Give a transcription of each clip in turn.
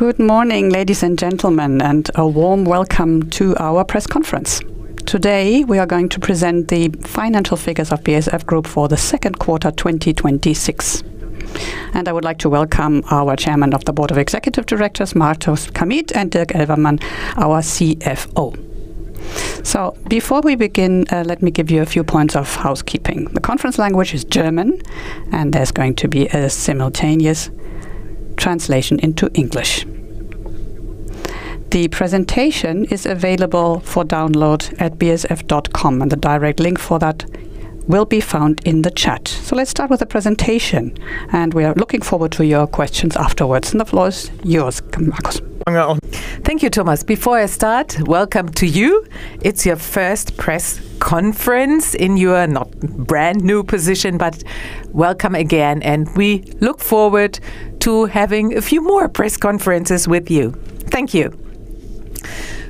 Good morning, ladies and gentlemen. A warm welcome to our press conference. Today, we are going to present the financial figures of BASF Group for the second quarter 2026. I would like to welcome our Chairman of the Board of Executive Directors, Markus Kamieth, and Dirk Elvermann, our CFO. Before we begin, let me give you a few points of housekeeping. The conference language is German, and there's going to be a simultaneous translation into English. The presentation is available for download at basf.com, and the direct link for that will be found in the chat. Let's start with the presentation. We are looking forward to your questions afterwards. The floor is yours, Markus. Thank you, Thomas. Before I start, welcome to you. It's your first press conference in your, not brand-new position, but welcome again. We look forward to having a few more press conferences with you. Thank you.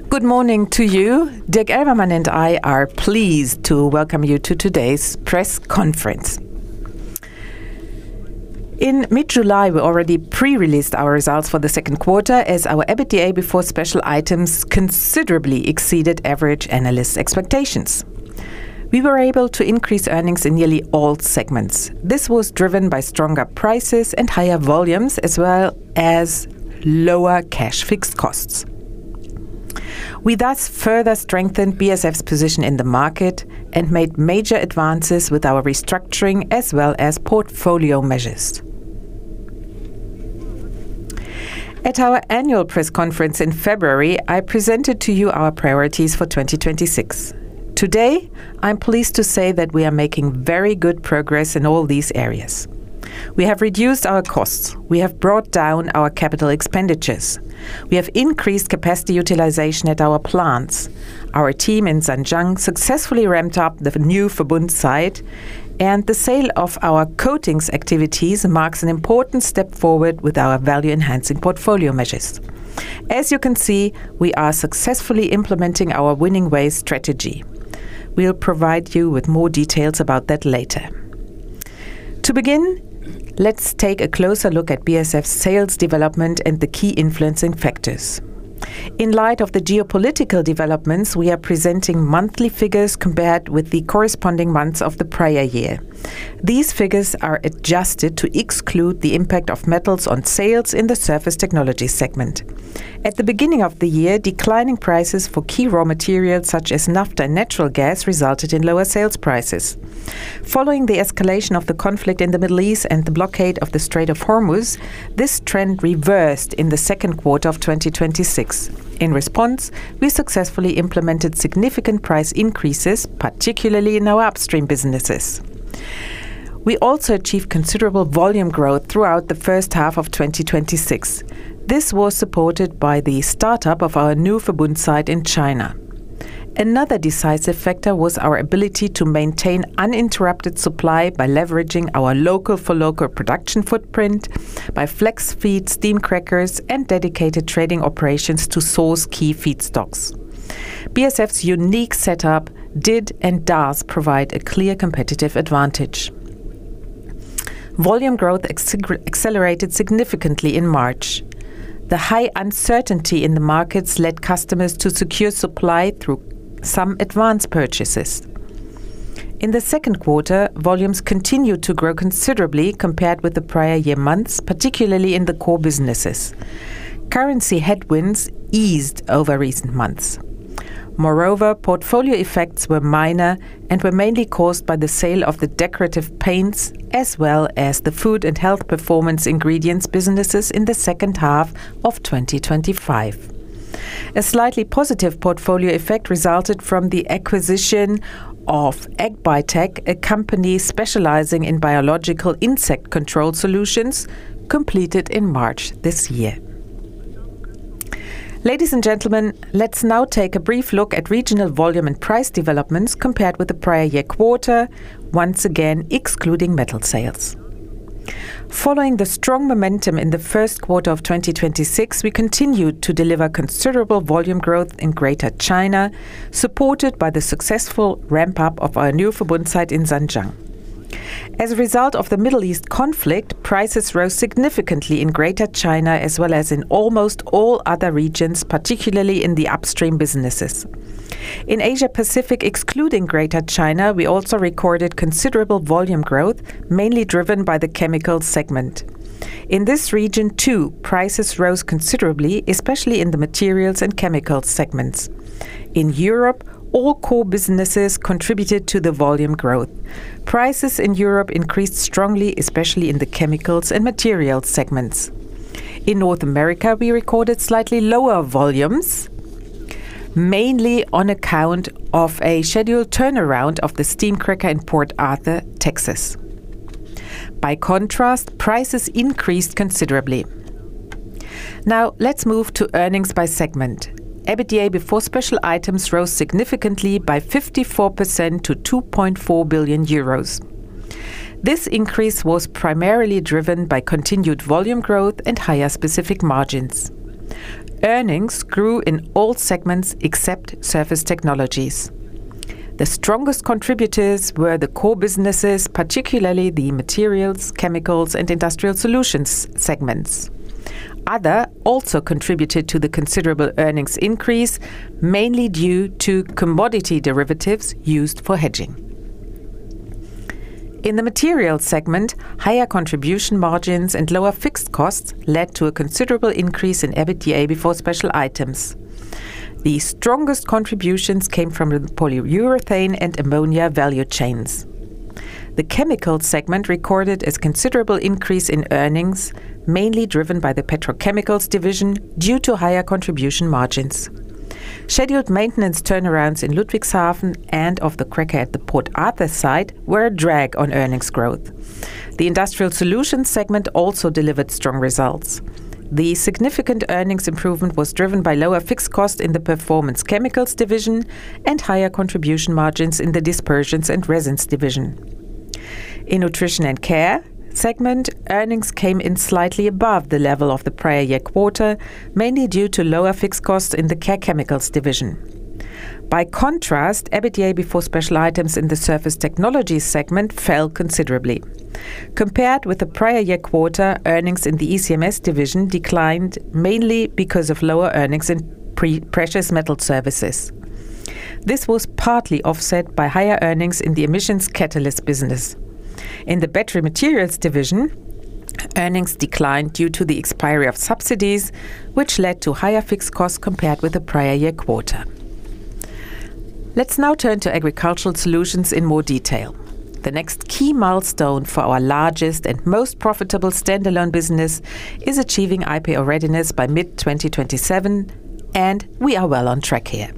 Good morning to you. Dirk Elvermann and I are pleased to welcome you to today's press conference. In mid-July, we already pre-released our results for the second quarter as our EBITDA before special items considerably exceeded average analyst expectations. We were able to increase earnings in nearly all segments. This was driven by stronger prices and higher volumes as well as lower cash fixed costs. We thus further strengthened BASF's position in the market and made major advances with our restructuring as well as portfolio measures. At our annual press conference in February, I presented to you our priorities for 2026. Today, I'm pleased to say that we are making very good progress in all these areas. We have reduced our costs. We have brought down our capital expenditures. We have increased capacity utilization at our plants. Our team in Zhanjiang successfully ramped up the new Verbund site. The sale of our coatings activities marks an important step forward with our value-enhancing portfolio measures. As you can see, we are successfully implementing our Winning Ways strategy. We'll provide you with more details about that later. To begin, let's take a closer look at BASF's sales development and the key influencing factors. In light of the geopolitical developments, we are presenting monthly figures compared with the corresponding months of the prior year. These figures are adjusted to exclude the impact of metals on sales in the surface technology segment. At the beginning of the year, declining prices for key raw materials such as naphtha and natural gas resulted in lower sales prices. Following the escalation of the conflict in the Middle East and the blockade of the Strait of Hormuz, this trend reversed in the second quarter of 2026. In response, we successfully implemented significant price increases, particularly in our upstream businesses. We also achieved considerable volume growth throughout the first half of 2026. This was supported by the startup of our new Verbund site in China. Another decisive factor was our ability to maintain uninterrupted supply by leveraging our local-for-local production footprint by flex feed steam crackers and dedicated trading operations to source key feedstocks. BASF's unique setup did and does provide a clear competitive advantage. Volume growth accelerated significantly in March. The high uncertainty in the markets led customers to secure supply through some advance purchases. In the second quarter, volumes continued to grow considerably compared with the prior year months, particularly in the core businesses. Currency headwinds eased over recent months. Moreover, portfolio effects were minor and were mainly caused by the sale of the decorative paints as well as the food and health performance ingredients businesses in the second half of 2025. A slightly positive portfolio effect resulted from the acquisition of AgBiTech, a company specializing in biological insect control solutions, completed in March this year. Ladies and gentlemen, let's now take a brief look at regional volume and price developments compared with the prior year quarter, once again, excluding metal sales. Following the strong momentum in the first quarter of 2026, we continued to deliver considerable volume growth in Greater China, supported by the successful ramp-up of our new Verbund site in Zhanjiang. As a result of the Middle East conflict, prices rose significantly in Greater China as well as in almost all other regions, particularly in the upstream businesses. In Asia-Pacific, excluding Greater China, we also recorded considerable volume growth, mainly driven by the chemical segment. In this region, too, prices rose considerably, especially in the materials and chemical segments. In Europe, all core businesses contributed to the volume growth. Prices in Europe increased strongly, especially in the chemicals and material segments. In North America, we recorded slightly lower volumes, mainly on account of a scheduled turnaround of the steam cracker in Port Arthur, Texas. By contrast, prices increased considerably. Now, let's move to earnings by segment. EBITDA before special items rose significantly by 54% to 2.4 billion euros. This increase was primarily driven by continued volume growth and higher specific margins. Earnings grew in all segments except Surface Technologies. The strongest contributors were the core businesses, particularly the Materials, Chemicals, and Industrial Solutions segments. Other also contributed to the considerable earnings increase, mainly due to commodity derivatives used for hedging. In the Material segment, higher contribution margins and lower fixed costs led to a considerable increase in EBITDA before special items. The strongest contributions came from the polyurethane and ammonia value chains. The Chemicals segment recorded a considerable increase in earnings, mainly driven by the petrochemicals division due to higher contribution margins. Scheduled maintenance turnarounds in Ludwigshafen and of the cracker at the Port Arthur site were a drag on earnings growth. The Industrial Solutions segment also delivered strong results. The significant earnings improvement was driven by lower fixed costs in the performance chemicals division and higher contribution margins in the dispersions and resins division. In Nutrition & Care segment, earnings came in slightly above the level of the prior year quarter, mainly due to lower fixed costs in the Care Chemicals division. By contrast, EBITDA before special items in the Surface Technologies segment fell considerably. Compared with the prior year quarter, earnings in the ECMS division declined mainly because of lower earnings in precious metal services. This was partly offset by higher earnings in the emissions catalyst business. In the Battery Materials division, earnings declined due to the expiry of subsidies, which led to higher fixed costs compared with the prior year quarter. Let's now turn to Agricultural Solutions in more detail. The next key milestone for our largest and most profitable standalone business is achieving IPO readiness by mid-2027, and we are well on track here.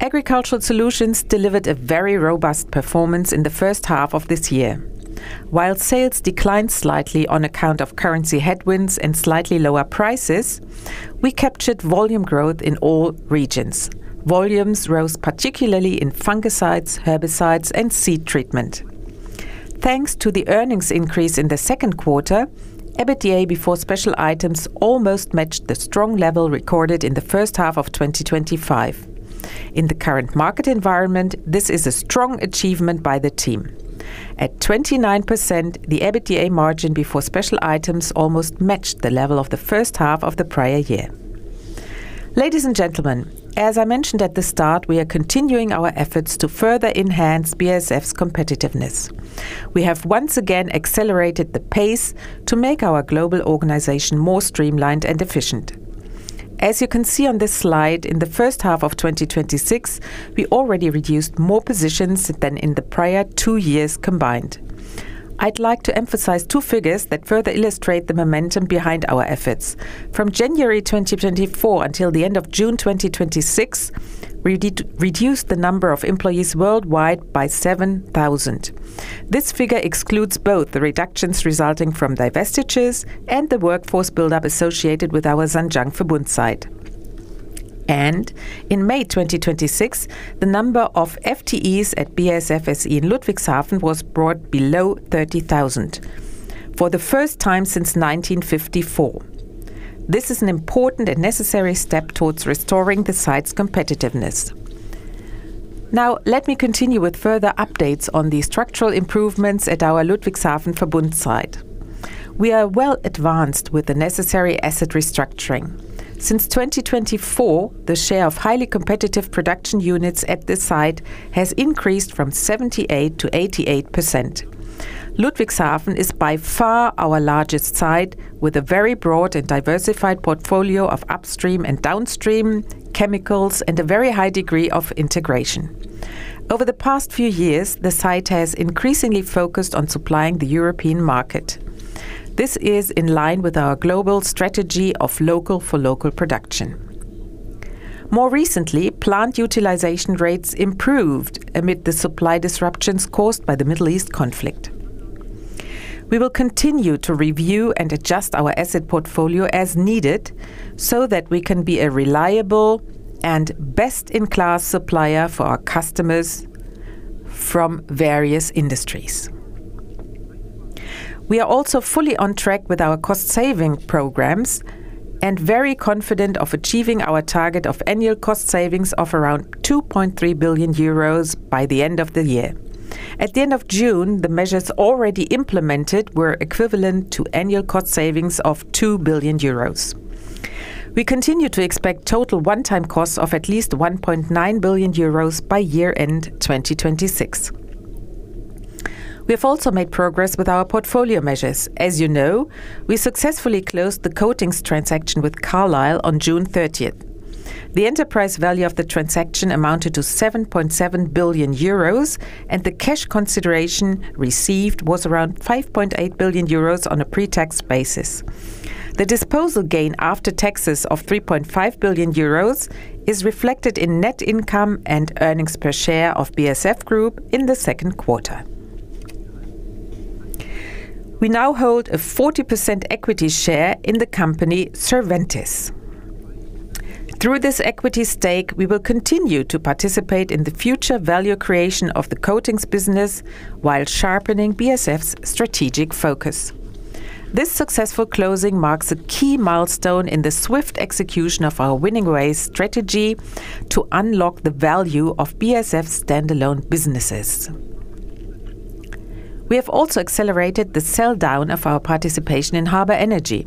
Agricultural Solutions delivered a very robust performance in the first half of this year. While sales declined slightly on account of currency headwinds and slightly lower prices, we captured volume growth in all regions. Volumes rose particularly in fungicides, herbicides, and seed treatment. Thanks to the earnings increase in the second quarter, EBITDA before special items almost matched the strong level recorded in the first half of 2025. In the current market environment, this is a strong achievement by the team. At 29%, the EBITDA margin before special items almost matched the level of the first half of the prior year. Ladies and gentlemen, as I mentioned at the start, we are continuing our efforts to further enhance BASF's competitiveness. We have once again accelerated the pace to make our global organization more streamlined and efficient. As you can see on this slide, in the first half of 2026, we already reduced more positions than in the prior two years combined. I'd like to emphasize two figures that further illustrate the momentum behind our efforts. From January 2024 until the end of June 2026, we reduced the number of employees worldwide by 7,000. This figure excludes both the reductions resulting from divestitures and the workforce buildup associated with our Zhanjiang Verbund site. In May 2026, the number of FTEs at BASF SE in Ludwigshafen was brought below 30,000 for the first time since 1954. This is an important and necessary step towards restoring the site's competitiveness. Let me continue with further updates on the structural improvements at our Ludwigshafen Verbund site. We are well advanced with the necessary asset restructuring. Since 2024, the share of highly competitive production units at this site has increased from 78% to 88%. Ludwigshafen is by far our largest site, with a very broad and diversified portfolio of upstream and downstream chemicals and a very high degree of integration. Over the past few years, the site has increasingly focused on supplying the European market. This is in line with our global strategy of local for local production. More recently, plant utilization rates improved amid the supply disruptions caused by the Middle East conflict. We will continue to review and adjust our asset portfolio as needed so that we can be a reliable and best-in-class supplier for our customers from various industries. We are also fully on track with our cost-saving programs and very confident of achieving our target of annual cost savings of around 2.3 billion euros by the end of the year. At the end of June, the measures already implemented were equivalent to annual cost savings of 2 billion euros. We continue to expect total one-time costs of at least 1.9 billion euros by year-end 2026. We have also made progress with our portfolio measures. As you know, we successfully closed the coatings transaction with Carlyle on June 30th. The enterprise value of the transaction amounted to 7.7 billion euros, and the cash consideration received was around 5.8 billion euros on a pre-tax basis. The disposal gain after taxes of 3.5 billion euros is reflected in net income and earnings per share of BASF Group in the second quarter. We now hold a 40% equity share in the company, Surventis. Through this equity stake, we will continue to participate in the future value creation of the coatings business while sharpening BASF's strategic focus. This successful closing marks a key milestone in the swift execution of our Winning Ways strategy to unlock the value of BASF standalone businesses. We have also accelerated the sell-down of our participation in Harbour Energy.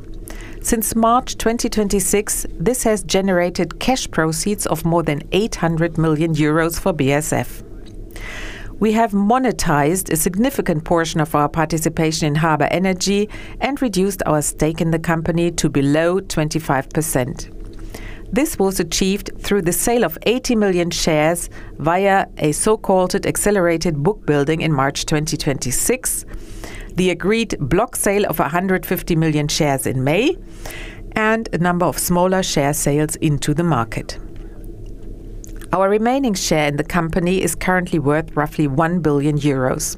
Since March 2026, this has generated cash proceeds of more than 800 million euros for BASF. We have monetized a significant portion of our participation in Harbour Energy and reduced our stake in the company to below 25%. This was achieved through the sale of 80 million shares via a so-called accelerated book building in March 2026, the agreed block sale of 150 million shares in May, and a number of smaller share sales into the market. Our remaining share in the company is currently worth roughly 1 billion euros.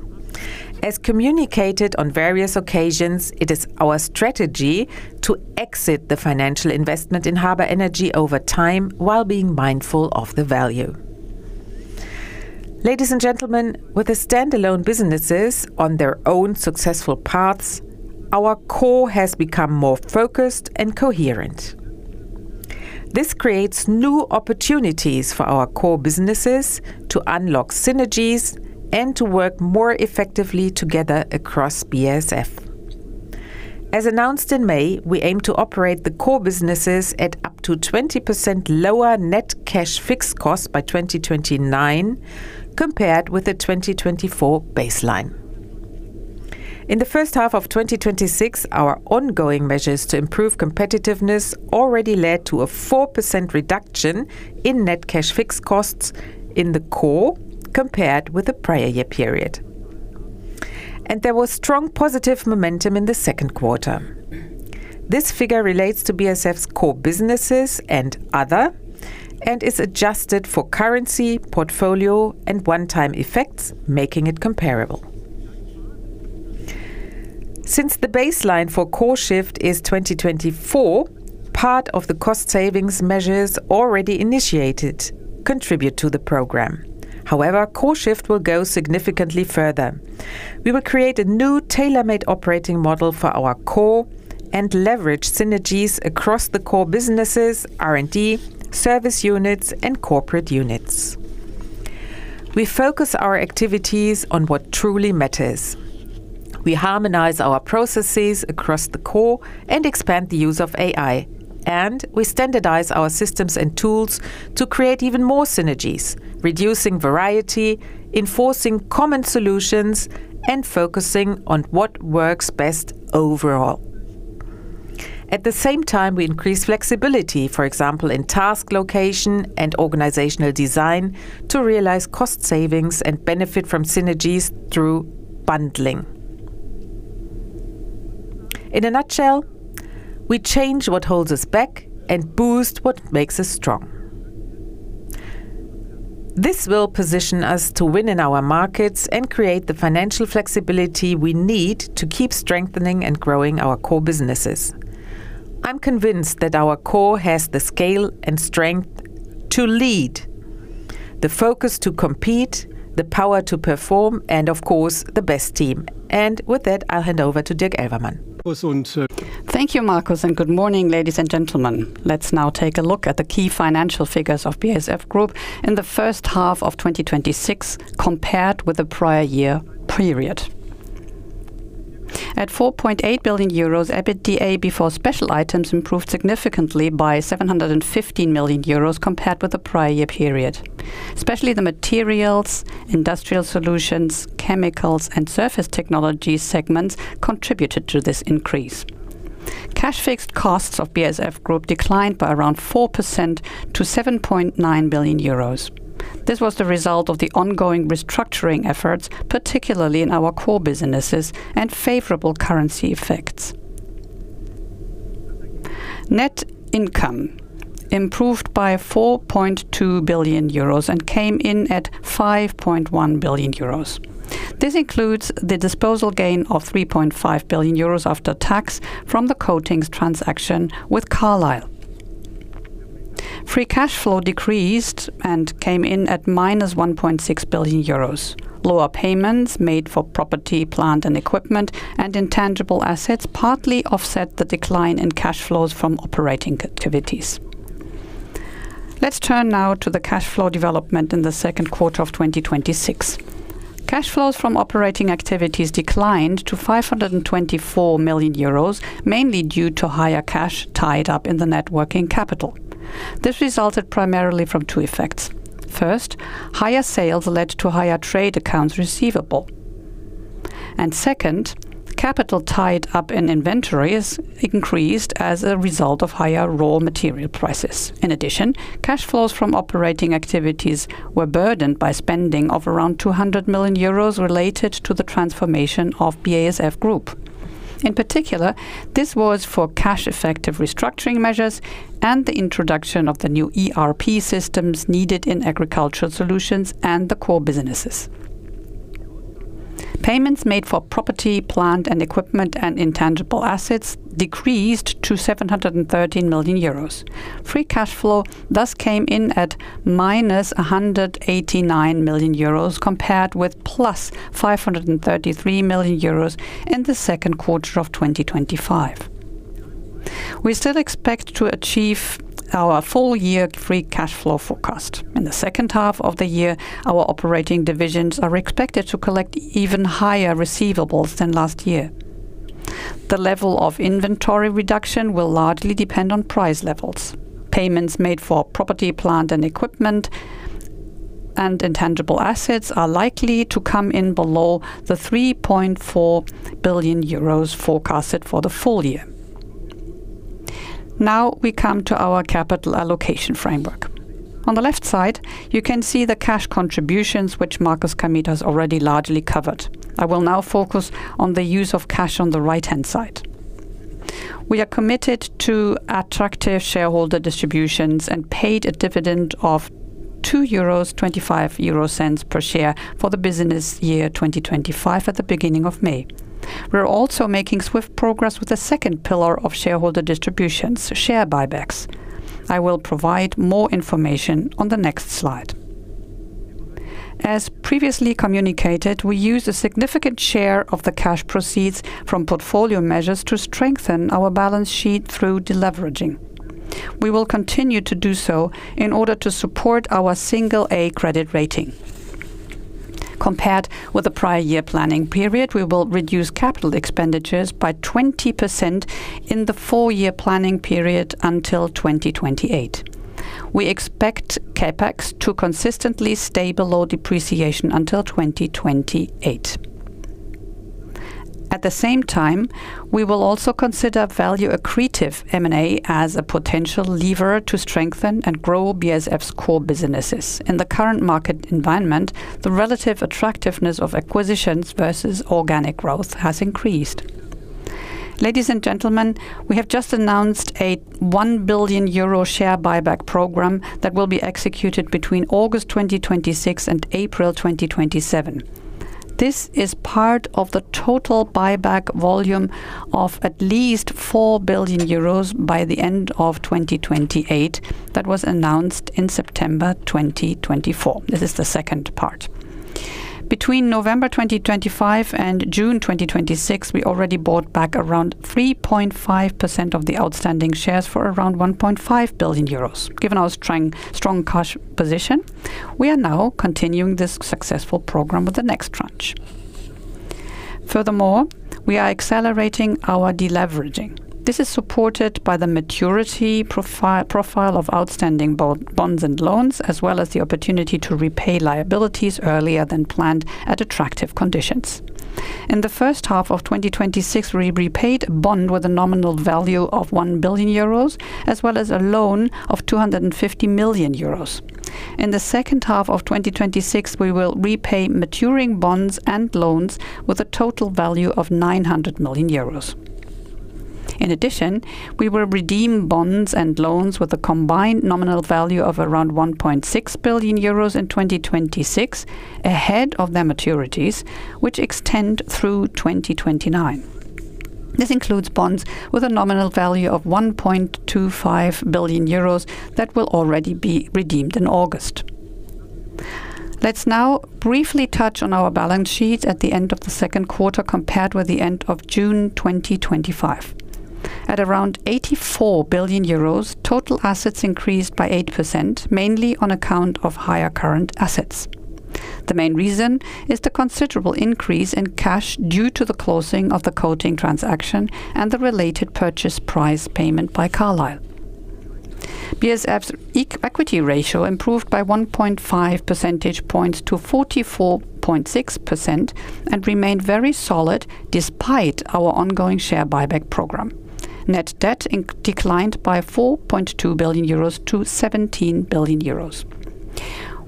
As communicated on various occasions, it is our strategy to exit the financial investment in Harbour Energy over time while being mindful of the value. Ladies and gentlemen, with the standalone businesses on their own successful paths, our core has become more focused and coherent. This creates new opportunities for our core businesses to unlock synergies and to work more effectively together across BASF. As announced in May, we aim to operate the core businesses at up to 20% lower net cash fixed costs by 2029 compared with the 2024 baseline. In the first half of 2026, our ongoing measures to improve competitiveness already led to a 4% reduction in net cash fixed costs in the core compared with the prior year period. There was strong positive momentum in the second quarter. This figure relates to BASF's core businesses and other, and is adjusted for currency, portfolio, and one-time effects, making it comparable. Since the baseline for CoreShift is 2024, part of the cost savings measures already initiated contribute to the program. However, CoreShift will go significantly further. We will create a new tailor-made operating model for our core and leverage synergies across the core businesses, R&D, service units, and corporate units. We focus our activities on what truly matters. We harmonize our processes across the core and expand the use of AI, and we standardize our systems and tools to create even more synergies, reducing variety, enforcing common solutions, and focusing on what works best overall. At the same time, we increase flexibility, for example, in task location and organizational design to realize cost savings and benefit from synergies through bundling. In a nutshell, we change what holds us back and boost what makes us strong. This will position us to win in our markets and create the financial flexibility we need to keep strengthening and growing our core businesses. I'm convinced that our core has the scale and strength to lead, the focus to compete, the power to perform, and of course, the best team. With that, I'll hand over to Dirk Elvermann. Thank you, Markus, and good morning, ladies and gentlemen. Let's now take a look at the key financial figures of BASF Group in the first half of 2026 compared with the prior year period. At 4.8 billion euros, EBITDA before special items improved significantly by 715 million euros compared with the prior year period. Especially the Materials, Industrial Solutions, Chemicals, and Surface Technologies segments contributed to this increase. Cash fixed costs of BASF Group declined by around 4% to 7.9 billion euros. This was the result of the ongoing restructuring efforts, particularly in our core businesses, and favorable currency effects. Net income improved by 4.2 billion euros and came in at 5.1 billion euros. This includes the disposal gain of 3.5 billion euros after tax from the coatings transaction with Carlyle. Free cash flow decreased and came in at -1.6 billion euros. Lower payments made for property, plant, and equipment, and intangible assets partly offset the decline in cash flows from operating activities. Let's turn now to the cash flow development in the second quarter of 2026. Cash flows from operating activities declined to 524 million euros, mainly due to higher cash tied up in the net working capital. This resulted primarily from two effects. First, higher sales led to higher trade accounts receivable. Second, capital tied up in inventories increased as a result of higher raw material prices. In addition, cash flows from operating activities were burdened by spending of around 200 million euros related to the transformation of BASF Group. In particular, this was for cash-effective restructuring measures and the introduction of the new ERP systems needed in Agricultural Solutions and the core businesses. Payments made for property, plant and equipment, and intangible assets decreased to 713 million euros. Free cash flow thus came in at -189 million euros compared with +533 million euros in the second quarter of 2025. We still expect to achieve our full-year free cash flow forecast. In the second half of the year, our operating divisions are expected to collect even higher receivables than last year. The level of inventory reduction will largely depend on price levels. Payments made for property, plant and equipment, and intangible assets are likely to come in below the 3.4 billion euros forecasted for the full year. We come to our capital allocation framework. On the left side, you can see the cash contributions, which Markus Kamieth has already largely covered. I will now focus on the use of cash on the right-hand side. We are committed to attractive shareholder distributions and paid a dividend of 2.25 euro per share for the business year 2025 at the beginning of May. We are also making swift progress with the second pillar of shareholder distributions, share buybacks. I will provide more information on the next slide. As previously communicated, we use a significant share of the cash proceeds from portfolio measures to strengthen our balance sheet through deleveraging. We will continue to do so in order to support our A credit rating. Compared with the prior year planning period, we will reduce capital expenditures by 20% in the four-year planning period until 2028. We expect CapEx to consistently stay below depreciation until 2028. At the same time, we will also consider value-accretive M&A as a potential lever to strengthen and grow BASF's core businesses. In the current market environment, the relative attractiveness of acquisitions versus organic growth has increased. Ladies and gentlemen, we have just announced a 1 billion euro share buyback program that will be executed between August 2026 and April 2027. This is part of the total buyback volume of at least 4 billion euros by the end of 2028. That was announced in September 2024. This is the second part. Between November 2025 and June 2026, we already bought back around 3.5% of the outstanding shares for around 1.5 billion euros. Given our strong cash position, we are now continuing this successful program with the next tranche. Furthermore, we are accelerating our deleveraging. This is supported by the maturity profile of outstanding bonds and loans, as well as the opportunity to repay liabilities earlier than planned at attractive conditions. In the first half of 2026, we repaid a bond with a nominal value of 1 billion euros, as well as a loan of 250 million euros. In the second half of 2026, we will repay maturing bonds and loans with a total value of 900 million euros. In addition, we will redeem bonds and loans with a combined nominal value of around 1.6 billion euros in 2026, ahead of their maturities, which extend through 2029. This includes bonds with a nominal value of 1.25 billion euros that will already be redeemed in August. Let's now briefly touch on our balance sheet at the end of the second quarter, compared with the end of June 2025. At around 84 billion euros, total assets increased by 8%, mainly on account of higher current assets. The main reason is the considerable increase in cash due to the closing of the coating transaction and the related purchase price payment by Carlyle. BASF's equity ratio improved by 1.5 percentage points to 44.6% and remained very solid despite our ongoing share buyback program. Net debt declined by 4.2 billion euros to 17 billion euros.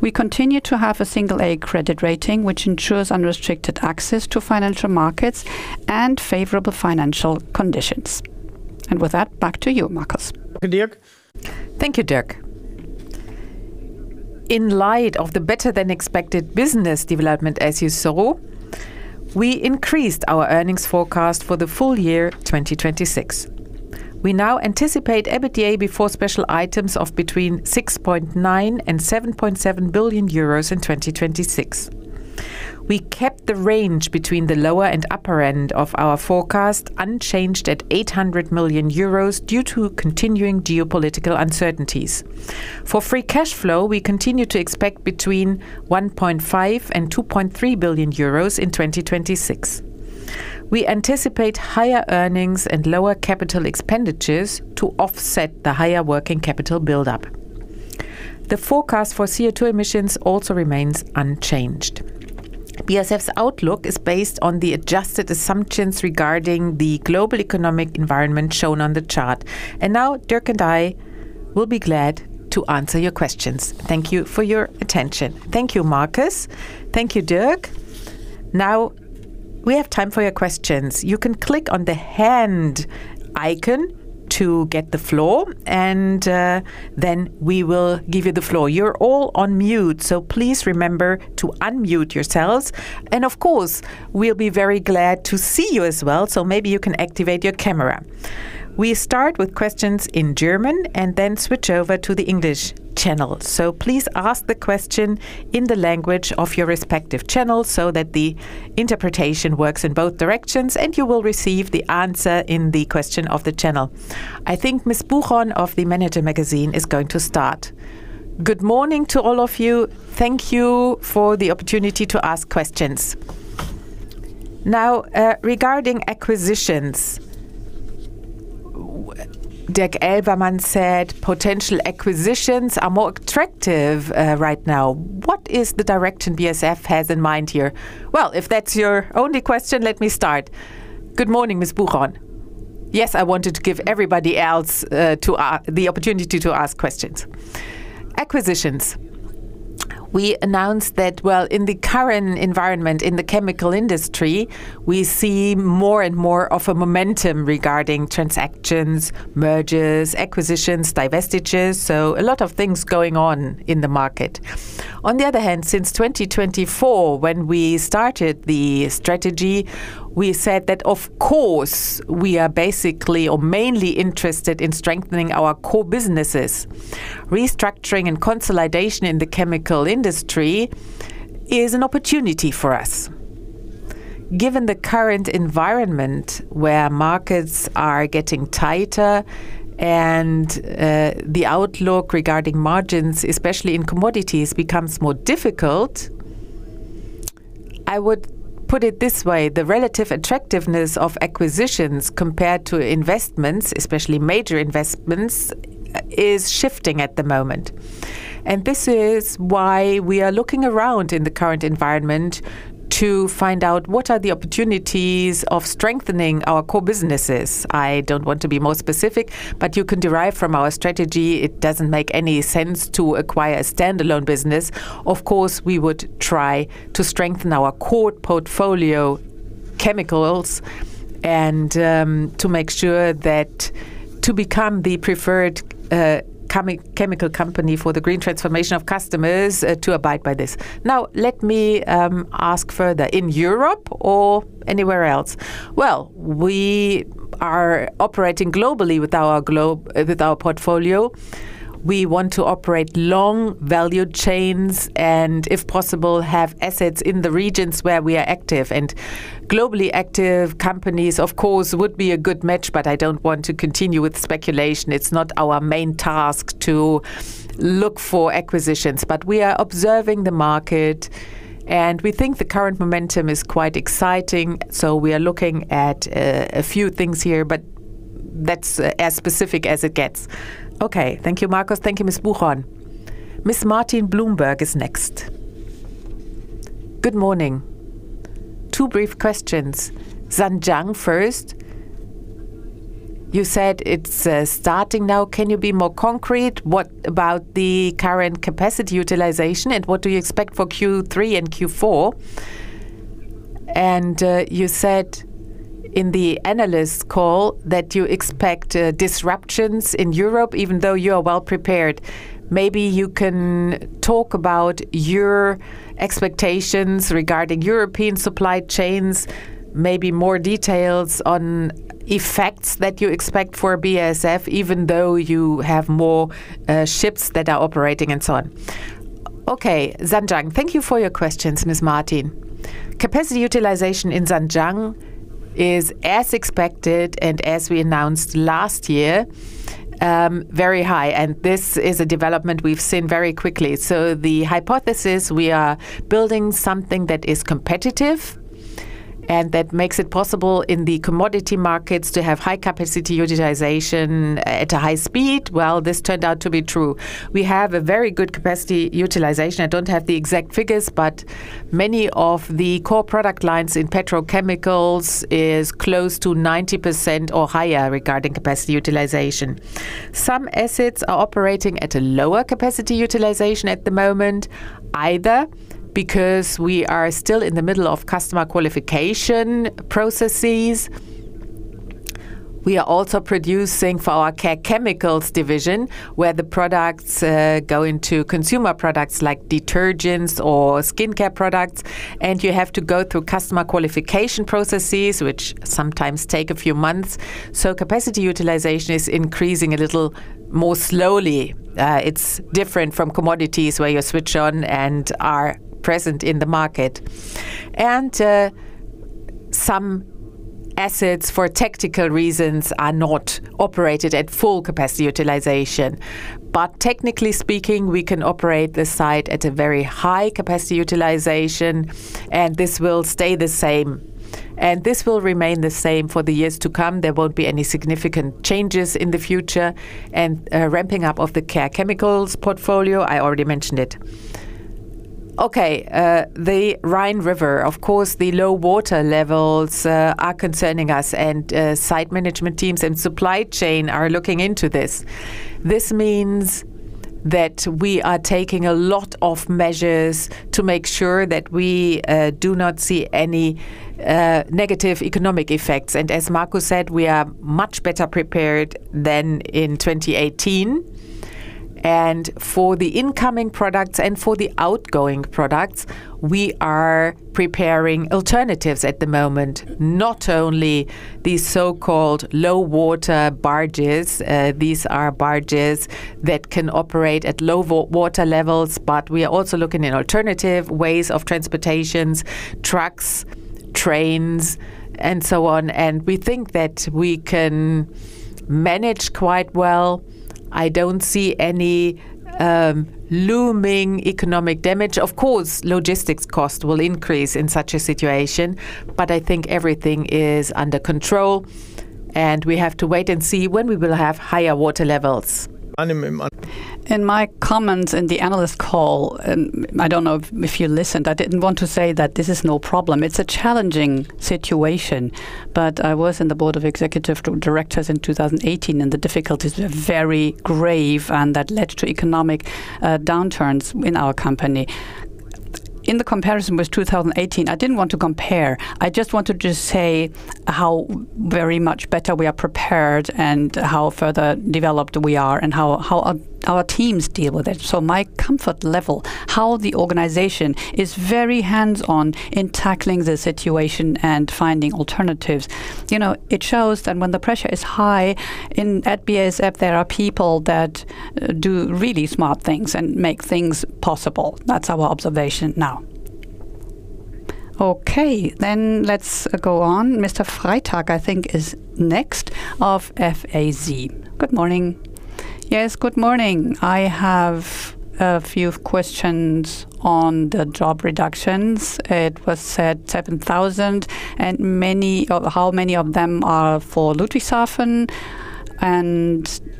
We continue to have an A credit rating, which ensures unrestricted access to financial markets and favorable financial conditions. With that, back to you, Markus. Thank you, Dirk. In light of the better-than-expected business development, as you saw, we increased our earnings forecast for the full year 2026. We now anticipate EBITDA before special items of between 6.9 billion and 7.7 billion euros in 2026. We kept the range between the lower and upper end of our forecast unchanged at 800 million euros due to continuing geopolitical uncertainties. For free cash flow, we continue to expect between 1.5 billion and 2.3 billion euros in 2026. We anticipate higher earnings and lower capital expenditures to offset the higher working capital buildup. The forecast for CO2 emissions also remains unchanged. BASF's outlook is based on the adjusted assumptions regarding the global economic environment shown on the chart. Dirk and I will be glad to answer your questions. Thank you for your attention. Thank you, Markus. Thank you, Dirk. We have time for your questions. You can click on the hand icon to get the floor, we will give you the floor. You're all on mute, please remember to unmute yourselves. We'll be very glad to see you as well. Maybe you can activate your camera. We start with questions in German, then switch over to the English channel. Please ask the question in the language of your respective channel that the interpretation works in both directions, you will receive the answer in the question of the channel. I think Ms. Buchhorn of the manager magazin is going to start. Good morning to all of you. Thank you for the opportunity to ask questions. Regarding acquisitions, Dirk Elvermann said potential acquisitions are more attractive right now. What is the direction BASF has in mind here? If that's your only question, let me start. Good morning, Ms. Buchhorn. Yes, I wanted to give everybody else the opportunity to ask questions. Acquisitions. We announced that, in the current environment in the chemical industry, we see more and more of a momentum regarding transactions, mergers, acquisitions, divestitures, a lot of things going on in the market. On the other hand, since 2024, when we started the strategy, we said that we are basically, or mainly interested in strengthening our core businesses. Restructuring and consolidation in the chemical industry is an opportunity for us. Given the current environment where markets are getting tighter, the outlook regarding margins, especially in commodities, becomes more difficult, I would put it this way, the relative attractiveness of acquisitions compared to investments, especially major investments, is shifting at the moment. This is why we are looking around in the current environment to find out what are the opportunities of strengthening our core businesses. I don't want to be more specific, but you can derive from our strategy, it doesn't make any sense to acquire a standalone business. We would try to strengthen our core portfolio chemicals to make sure to become the preferred chemical company for the green transformation of customers to abide by this. Let me ask further. In Europe or anywhere else? We are operating globally with our portfolio. We want to operate long value chains and, if possible, have assets in the regions where we are active. Globally active companies, of course, would be a good match, but I don't want to continue with speculation. It's not our main task to look for acquisitions. We are observing the market, and we think the current momentum is quite exciting, so we are looking at a few things here, but that's as specific as it gets. Okay. Thank you, Markus. Thank you, Ms. Buchhorn. Ms. Martin, Bloomberg is next. Good morning. Two brief questions. Zhanjiang first. You said it's starting now. Can you be more concrete? What about the current capacity utilization, and what do you expect for Q3 and Q4? You said in the analyst call that you expect disruptions in Europe, even though you are well prepared. Maybe you can talk about your expectations regarding European supply chains, maybe more details on effects that you expect for BASF, even though you have more ships that are operating and so on. Okay. Zhanjiang. Thank you for your questions, Ms. Martin. Capacity utilization in Zhanjiang is as expected and as we announced last year, very high, and this is a development we've seen very quickly. The hypothesis, we are building something that is competitive and that makes it possible in the commodity markets to have high capacity utilization at a high speed. This turned out to be true. We have a very good capacity utilization. I don't have the exact figures, but many of the core product lines in petrochemicals is close to 90% or higher regarding capacity utilization. Some assets are operating at a lower capacity utilization at the moment, either because we are still in the middle of customer qualification processes. We are also producing for our Care Chemicals division, where the products go into consumer products like detergents or skincare products, and you have to go through customer qualification processes, which sometimes take a few months. Capacity utilization is increasing a little more slowly. It's different from commodities where you switch on and are present in the market. Some assets, for tactical reasons, are not operated at full capacity utilization. Technically speaking, we can operate the site at a very high capacity utilization, and this will stay the same. This will remain the same for the years to come. There won't be any significant changes in the future, and ramping up of the Care Chemicals portfolio, I already mentioned it. Okay. The Rhine River. Of course, the low water levels are concerning us, and site management teams and supply chain are looking into this. This means that we are taking a lot of measures to make sure that we do not see any negative economic effects. As Markus said, we are much better prepared than in 2018. For the incoming products and for the outgoing products, we are preparing alternatives at the moment, not only these so-called low water barges. These are barges that can operate at low water levels, but we are also looking at alternative ways of transportations, trucks trains, and so on. We think that we can manage quite well. I don't see any looming economic damage. Of course, logistics cost will increase in such a situation, but I think everything is under control, and we have to wait and see when we will have higher water levels. In my comments in the analyst call, and I don't know if you listened, I didn't want to say that this is no problem. It's a challenging situation, but I was in the Board of Executive Directors in 2018, and the difficulties were very grave, and that led to economic downturns in our company. In the comparison with 2018, I didn't want to compare. I just want to say how very much better we are prepared and how further developed we are and how our teams deal with it. My comfort level, how the organization is very hands-on in tackling the situation and finding alternatives. It shows that when the pressure is high, at BASF, there are people that do really smart things and make things possible. That's our observation now. Okay. Let's go on. Mr. Freytag, I think is next of FAZ. Good morning. Yes, good morning. I have a few questions on the job reductions. It was said 7,000, and how many of them are for Ludwigshafen? The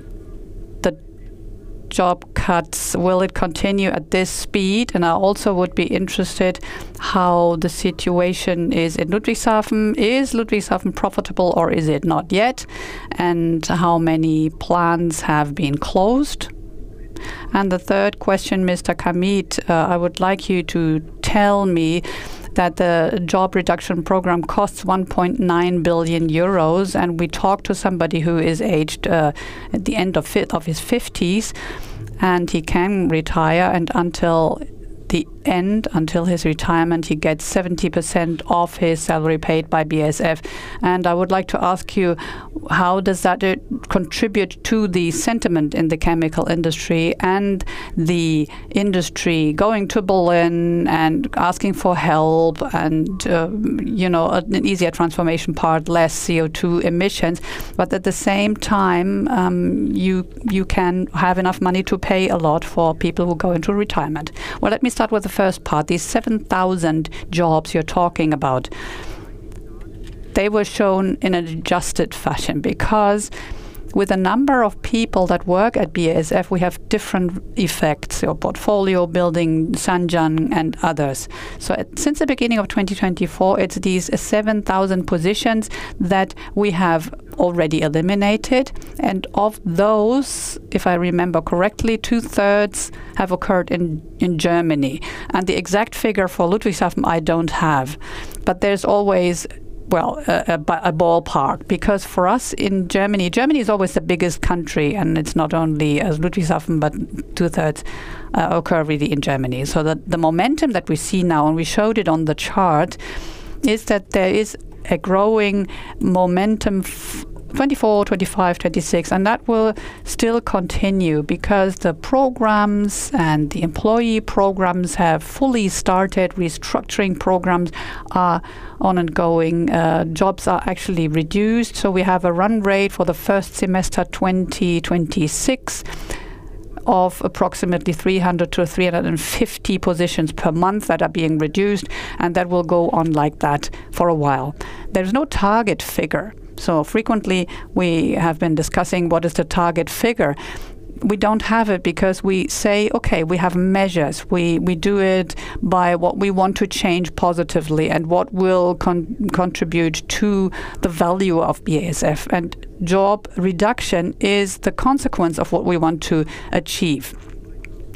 job cuts, will it continue at this speed? I also would be interested how the situation is at Ludwigshafen. Is Ludwigshafen profitable, or is it not yet? How many plants have been closed? The third question, Mr. Kamieth, I would like you to tell me that the job reduction program costs 1.9 billion euros. We talked to somebody who is aged at the end of his 50s. He can retire, and until the end, until his retirement, he gets 70% of his salary paid by BASF. I would like to ask you, how does that contribute to the sentiment in the chemical industry and the industry going to Berlin and asking for help and an easier transformation part, less CO2 emissions, but at the same time, you can have enough money to pay a lot for people who go into retirement. Let me start with the first part, these 7,000 jobs you're talking about. They were shown in an adjusted fashion because with the number of people that work at BASF, we have different effects, your portfolio building, Zhanjiang, and others. Since the beginning of 2024, it's these 7,000 positions that we have already eliminated, and of those, if I remember correctly, 2/3 have occurred in Germany. The exact figure for Ludwigshafen, I don't have. There's always, well, a ballpark, because for us in Germany is always the biggest country, and it's not only as Ludwigshafen, but 2/3 occur really in Germany. The momentum that we see now, and we showed it on the chart, is that there is a growing momentum, 2024, 2025, 2026. That will still continue because the programs and the employee programs have fully started. Restructuring programs are ongoing. Jobs are actually reduced. We have a run rate for the first semester 2026 of approximately 300-350 positions per month that are being reduced, and that will go on like that for a while. There's no target figure. Frequently, we have been discussing what is the target figure. We don't have it because we say, okay, we have measures. We do it by what we want to change positively and what will contribute to the value of BASF. Job reduction is the consequence of what we want to achieve.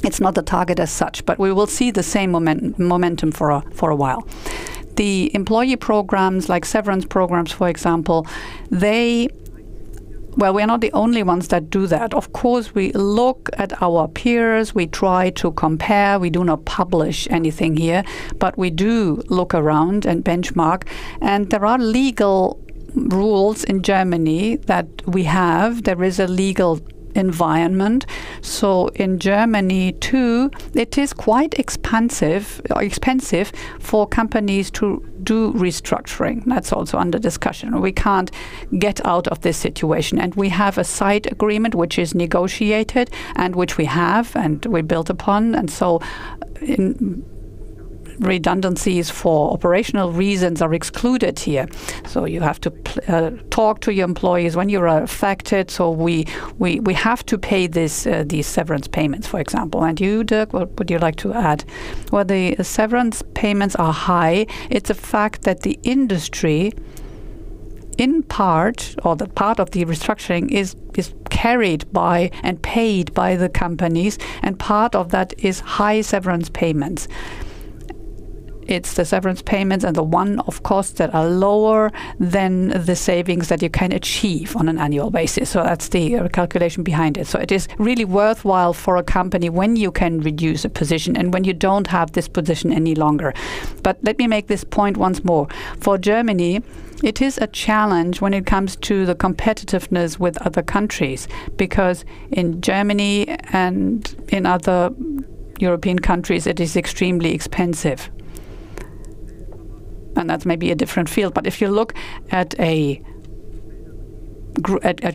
It's not the target as such, but we will see the same momentum for a while. The employee programs like severance programs, for example, we're not the only ones that do that. Of course, we look at our peers. We try to compare. We do not publish anything here. We do look around and benchmark. There are legal rules in Germany that we have. There is a legal environment. In Germany, too, it is quite expensive for companies to do restructuring. That's also under discussion. We can't get out of this situation. We have a site agreement which is negotiated and which we have and we built upon, redundancies for operational reasons are excluded here. You have to talk to your employees when you are affected. We have to pay these severance payments, for example. You, Dirk, what would you like to add? The severance payments are high. It's a fact that the industry, in part, or the part of the restructuring is carried by and paid by the companies, and part of that is high severance payments. It's the severance payments and the one-off costs that are lower than the savings that you can achieve on an annual basis. That's the calculation behind it. It is really worthwhile for a company when you can reduce a position and when you don't have this position any longer. Let me make this point once more. For Germany, it is a challenge when it comes to the competitiveness with other countries, because in Germany and in other European countries, it is extremely expensive. That's maybe a different field, but if you look at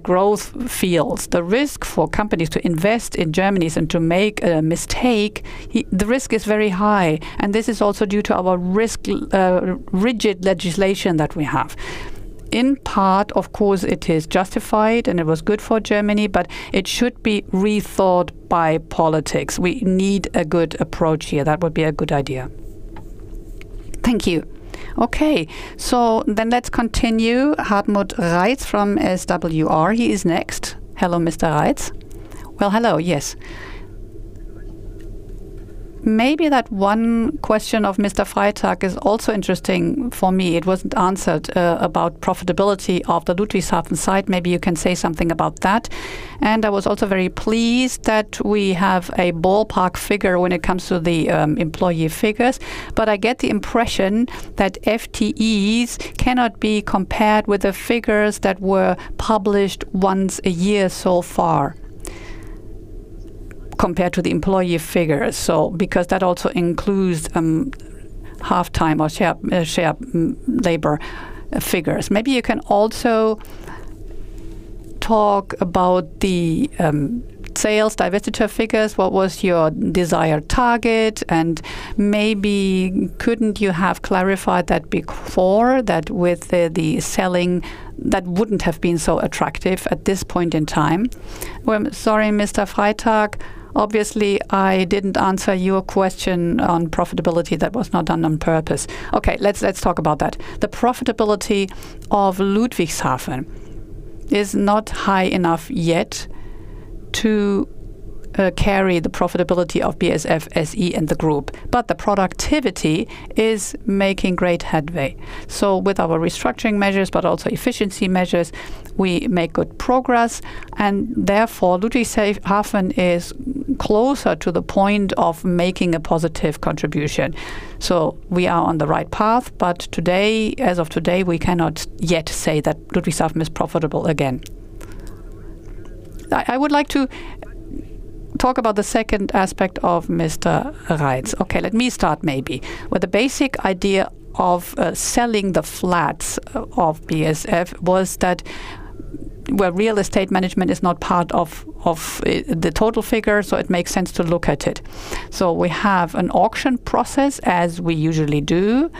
growth fields, the risk for companies to invest in Germany and to make a mistake, the risk is very high. This is also due to our rigid legislation that we have. In part, of course, it is justified, and it was good for Germany, but it should be rethought by politics. We need a good approach here. That would be a good idea. Thank you. Okay, let's continue. Hartmut Reitz from SWR, he is next. Hello, Mr. Reitz. Hello. Yes. Maybe that one question of Mr. Freytag is also interesting for me. It wasn't answered about profitability of the Ludwigshafen site. Maybe you can say something about that. I was also very pleased that we have a ballpark figure when it comes to the employee figures. I get the impression that FTEs cannot be compared with the figures that were published once a year so far, compared to the employee figures. Because that also includes half-time or shared labor figures. Maybe you can also talk about the sales divestiture figures. What was your desired target, maybe couldn't you have clarified that before, that with the selling that wouldn't have been so attractive at this point in time? Sorry, Mr. Freytag. Obviously, I didn't answer your question on profitability. That was not done on purpose. Let's talk about that. The profitability of Ludwigshafen is not high enough yet to carry the profitability of BASF SE and the BASF Group, the productivity is making great headway. With our restructuring measures, also efficiency measures, we make good progress, therefore, Ludwigshafen is closer to the point of making a positive contribution. We are on the right path, as of today, we cannot yet say that Ludwigshafen is profitable again. I would like to talk about the second aspect of Mr. Reitz. Let me start maybe. The basic idea of selling the flats of BASF was that where real estate management is not part of the total figure, it makes sense to look at it. We have an auction process as we usually do,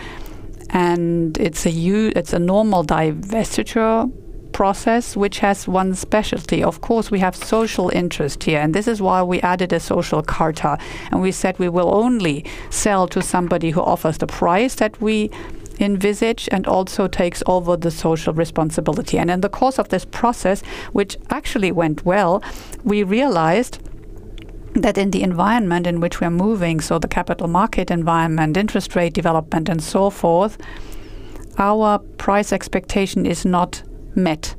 it's a normal divestiture process which has one specialty. We have social interest here, this is why we added a social charter, we said we will only sell to somebody who offers the price that we envisage and also takes over the social responsibility. In the course of this process, which actually went well, we realized that in the environment in which we're moving, the capital market environment, interest rate development, and so forth, our price expectation is not met.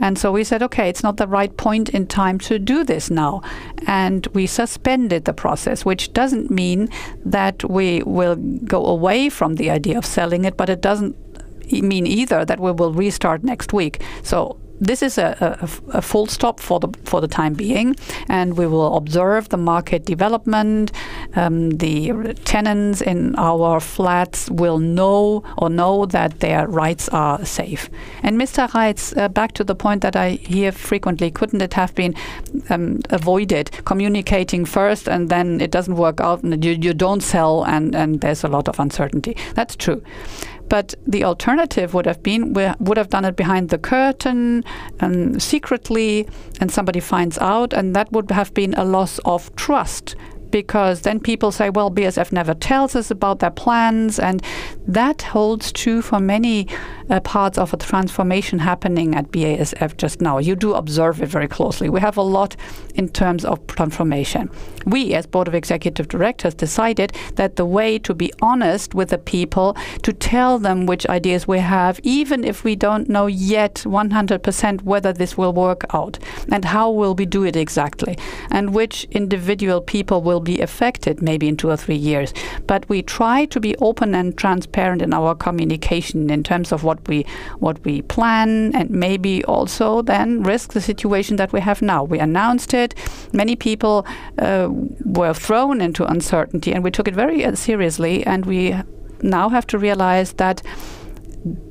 We said, "Okay, it's not the right point in time to do this now." We suspended the process, which doesn't mean that we will go away from the idea of selling it doesn't mean either that we will restart next week. This is a full stop for the time being, we will observe the market development. The tenants in our flats will know, or know that their rights are safe. Mr. Reitz, back to the point that I hear frequently, couldn't it have been avoided communicating first it doesn't work out, you don't sell, there's a lot of uncertainty? That's true, the alternative would have been we would have done it behind the curtain secretly, somebody finds out, that would have been a loss of trust because then people say, "Well, BASF never tells us about their plans." That holds true for many parts of the transformation happening at BASF just now. You do observe it very closely. We have a lot in terms of transformation. We, as board of executive directors, decided that the way to be honest with the people, to tell them which ideas we have, even if we don't know yet 100% whether this will work out how will we do it exactly, which individual people will be affected maybe in two or three years. We try to be open and transparent in our communication in terms of what we plan maybe also then risk the situation that we have now. We announced it. Many people were thrown into uncertainty. We took it very seriously. We now have to realize that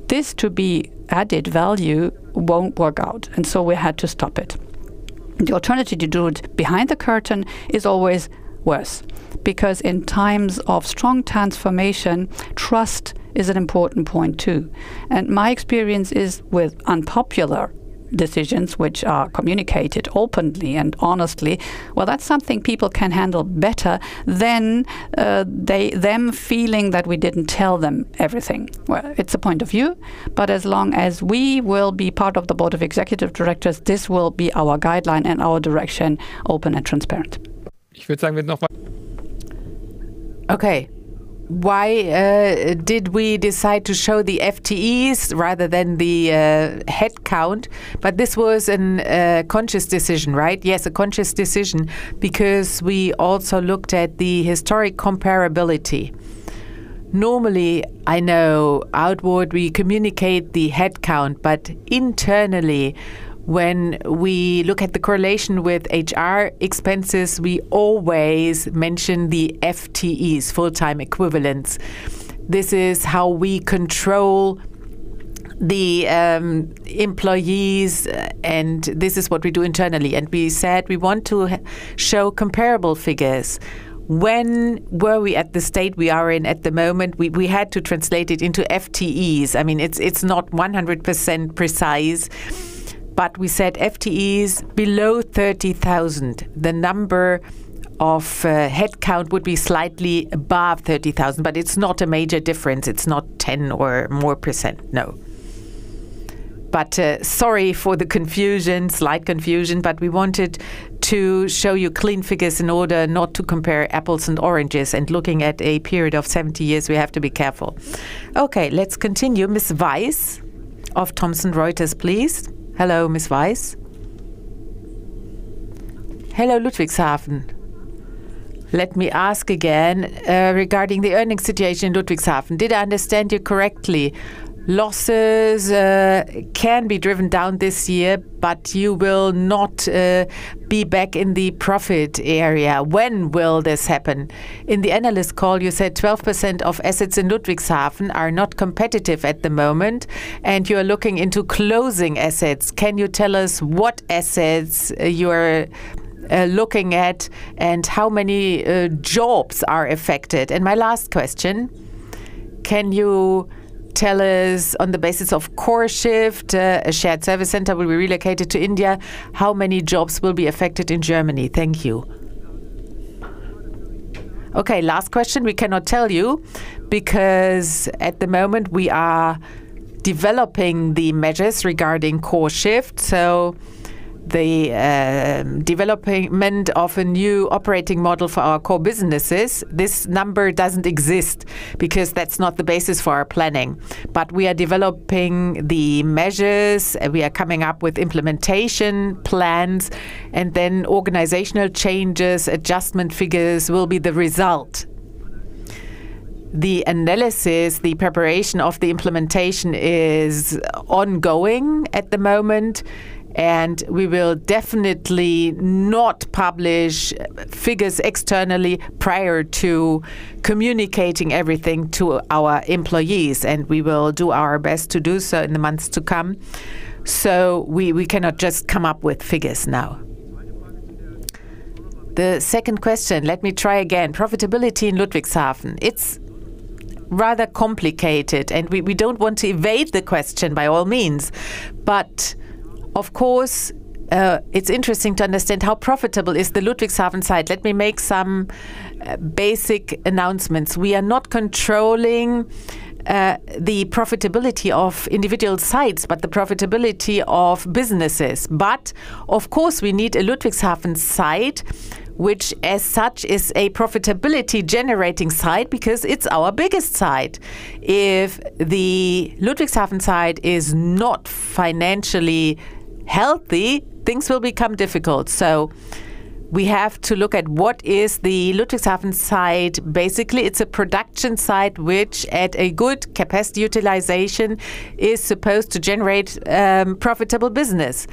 this to be added value won't work out. So we had to stop it. The alternative to do it behind the curtain is always worse, because in times of strong transformation, trust is an important point, too. My experience is with unpopular decisions which are communicated openly and honestly, well, that's something people can handle better than them feeling that we didn't tell them everything. Well, it's a point of view. As long as we will be part of the board of executive directors, this will be our guideline and our direction, open and transparent. Okay. Why did we decide to show the FTEs rather than the headcount? This was a conscious decision, right? Yes, a conscious decision, because we also looked at the historic comparability. Normally, I know outward, we communicate the headcount, but internally, when we look at the correlation with HR expenses, we always mention the FTEs, Full-Time Equivalents. This is how we control the employees. This is what we do internally. We said we want to show comparable figures. When were we at the state we are in at the moment, we had to translate it into FTEs. It's not 100% precise. We said FTEs below 30,000. The number of headcount would be slightly above 30,000. It's not a major difference. It's not 10% or more, no. Sorry for the slight confusion. We wanted to show you clean figures in order not to compare apples and oranges. Looking at a period of 70 years, we have to be careful. Okay. Let's continue. Ms. Weiss of Thomson Reuters, please. Hello, Ms. Weiss. Hello, Ludwigshafen. Let me ask again, regarding the earning situation in Ludwigshafen. Did I understand you correctly? Losses can be driven down this year, but you will not be back in the profit area. When will this happen? In the analyst call, you said 12% of assets in Ludwigshafen are not competitive at the moment. You're looking into closing assets. Can you tell us what assets you are looking at and how many jobs are affected? My last question, can you tell us on the basis of CoreShift, a shared service center will be relocated to India, how many jobs will be affected in Germany? Thank you. Okay. Last question. We cannot tell you because at the moment we are developing the measures regarding CoreShift. The development of a new operating model for our core businesses, this number doesn't exist because that's not the basis for our planning. We are developing the measures. We are coming up with implementation plans and then organizational changes, adjustment figures will be the result. The analysis, the preparation of the implementation is ongoing at the moment. We will definitely not publish figures externally prior to communicating everything to our employees. We will do our best to do so in the months to come. We cannot just come up with figures now. The second question, let me try again. Profitability in Ludwigshafen. It's rather complicated. We don't want to evade the question by all means. Of course, it's interesting to understand how profitable is the Ludwigshafen site. Let me make some basic announcements. We are not controlling the profitability of individual sites, but the profitability of businesses. Of course, we need a Ludwigshafen site, which as such is a profitability-generating site because it's our biggest site. If the Ludwigshafen site is not financially healthy, things will become difficult. We have to look at what is the Ludwigshafen site. Basically, it's a production site which at a good capacity utilization is supposed to generate profitable business.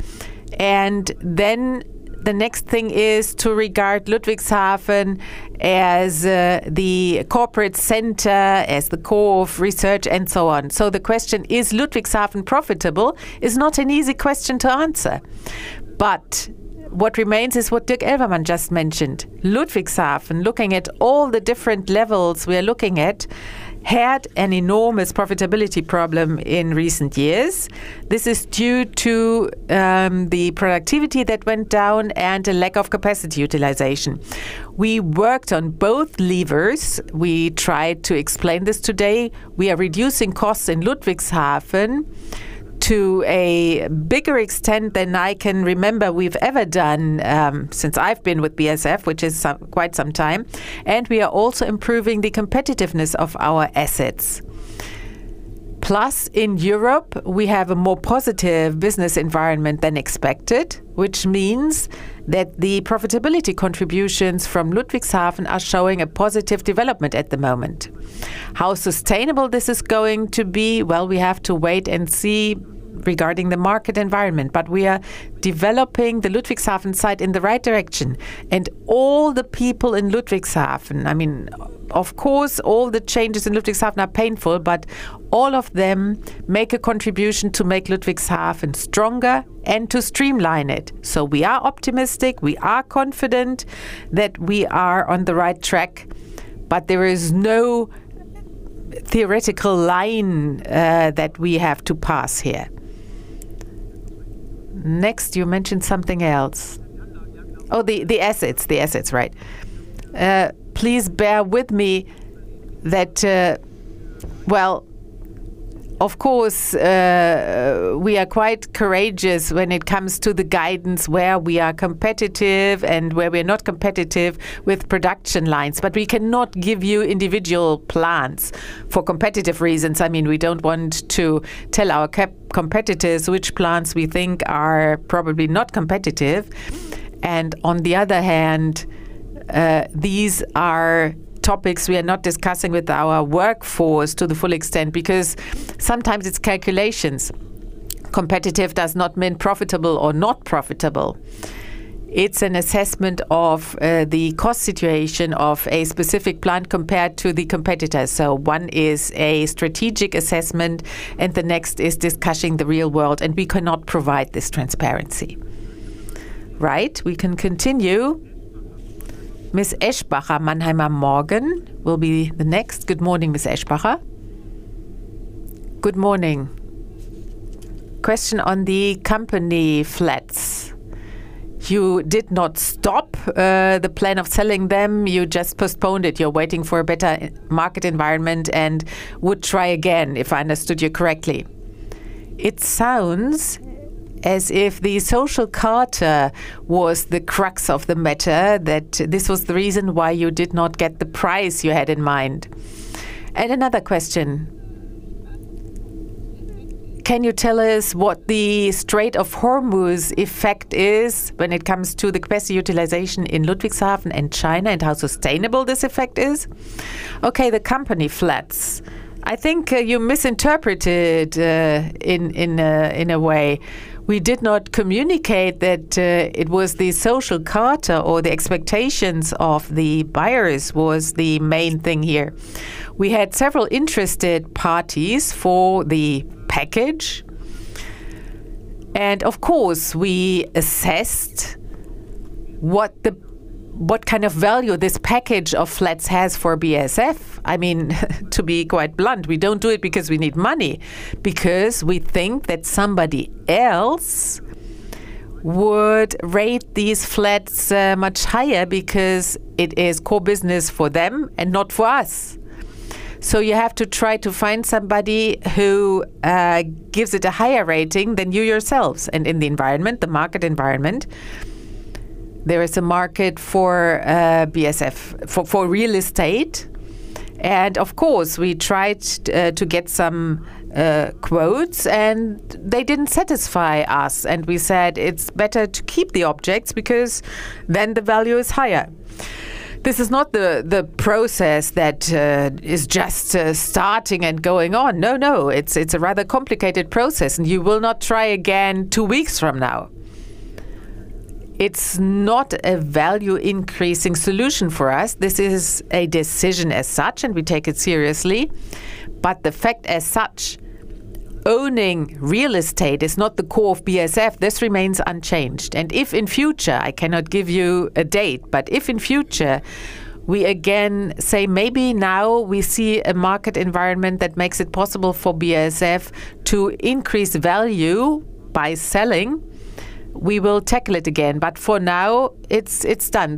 The next thing is to regard Ludwigshafen as the corporate center, as the core of research and so on. The question, is Ludwigshafen profitable, is not an easy question to answer. What remains is what Dirk Elvermann just mentioned. Ludwigshafen, looking at all the different levels we are looking at, had an enormous profitability problem in recent years. This is due to the productivity that went down and a lack of capacity utilization. We worked on both levers. We tried to explain this today. We are reducing costs in Ludwigshafen to a bigger extent than I can remember we've ever done, since I've been with BASF, which is quite some time. We are also improving the competitiveness of our assets. In Europe, we have a more positive business environment than expected, which means that the profitability contributions from Ludwigshafen are showing a positive development at the moment. How sustainable this is going to be, well, we have to wait and see regarding the market environment. We are developing the Ludwigshafen site in the right direction. All the people in Ludwigshafen, of course, all the changes in Ludwigshafen are painful. All of them make a contribution to make Ludwigshafen stronger and to streamline it. We are optimistic, we are confident that we are on the right track. There is no theoretical line that we have to pass here. Next, you mentioned something else. Oh, the assets. Please bear with me that, of course, we are quite courageous when it comes to the guidance where we are competitive and where we are not competitive with production lines. We cannot give you individual plans for competitive reasons. We don't want to tell our competitors which plants we think are probably not competitive. On the other hand, these are topics we are not discussing with our workforce to the full extent because sometimes it's calculations. Competitive does not mean profitable or not profitable. It's an assessment of the cost situation of a specific plant compared to the competitors. One is a strategic assessment. The next is discussing the real world. We cannot provide this transparency. Right, we can continue. Ms. Eschbacher, Mannheimer Morgen, will be the next. Good morning, Ms. Eschbacher. Good morning. Question on the company flats. You did not stop the plan of selling them, you just postponed it. You're waiting for a better market environment and would try again, if I understood you correctly. It sounds as if the social charter was the crux of the matter, that this was the reason why you did not get the price you had in mind. Can you tell us what the Strait of Hormuz effect is when it comes to the capacity utilization in Ludwigshafen and China, and how sustainable this effect is? The company flats. I think you misinterpreted in a way. We did not communicate that it was the social charter or the expectations of the buyers was the main thing here. We had several interested parties for the package. Of course, we assessed what kind of value this package of flats has for BASF. To be quite blunt, we don't do it because we need money, because we think that somebody else would rate these flats much higher, because it is core business for them and not for us. You have to try to find somebody who gives it a higher rating than you yourselves. In the environment, the market environment, there is a market for BASF, for real estate. Of course, we tried to get some quotes, and they didn't satisfy us, and we said it's better to keep the objects because then the value is higher. This is not the process that is just starting and going on. No, no. It's a rather complicated process and you will not try again two weeks from now. It's not a value-increasing solution for us. This is a decision as such, and we take it seriously. The fact as such, owning real estate is not the core of BASF. This remains unchanged. If in future, I cannot give you a date, but if in future we again say maybe now we see a market environment that makes it possible for BASF to increase value by selling, we will tackle it again. For now, it's done.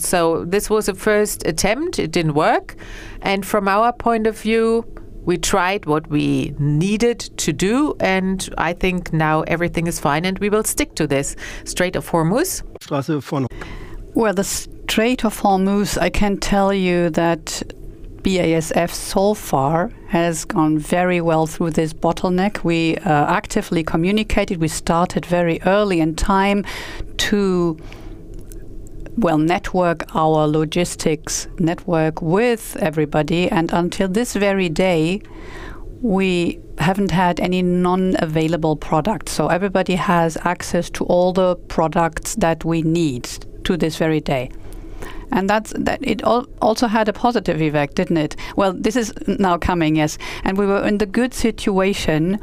This was a first attempt. It didn't work. From our point of view, we tried what we needed to do, and I think now everything is fine and we will stick to this. Strait of Hormuz? Well, the Strait of Hormuz, I can tell you that BASF so far has gone very well through this bottleneck. We actively communicated. We started very early in time to network our logistics network with everybody. Until this very day, we haven't had any non-available product. Everybody has access to all the products that we need to this very day. It also had a positive effect, didn't it? Well, this is now coming, yes. We were in the good situation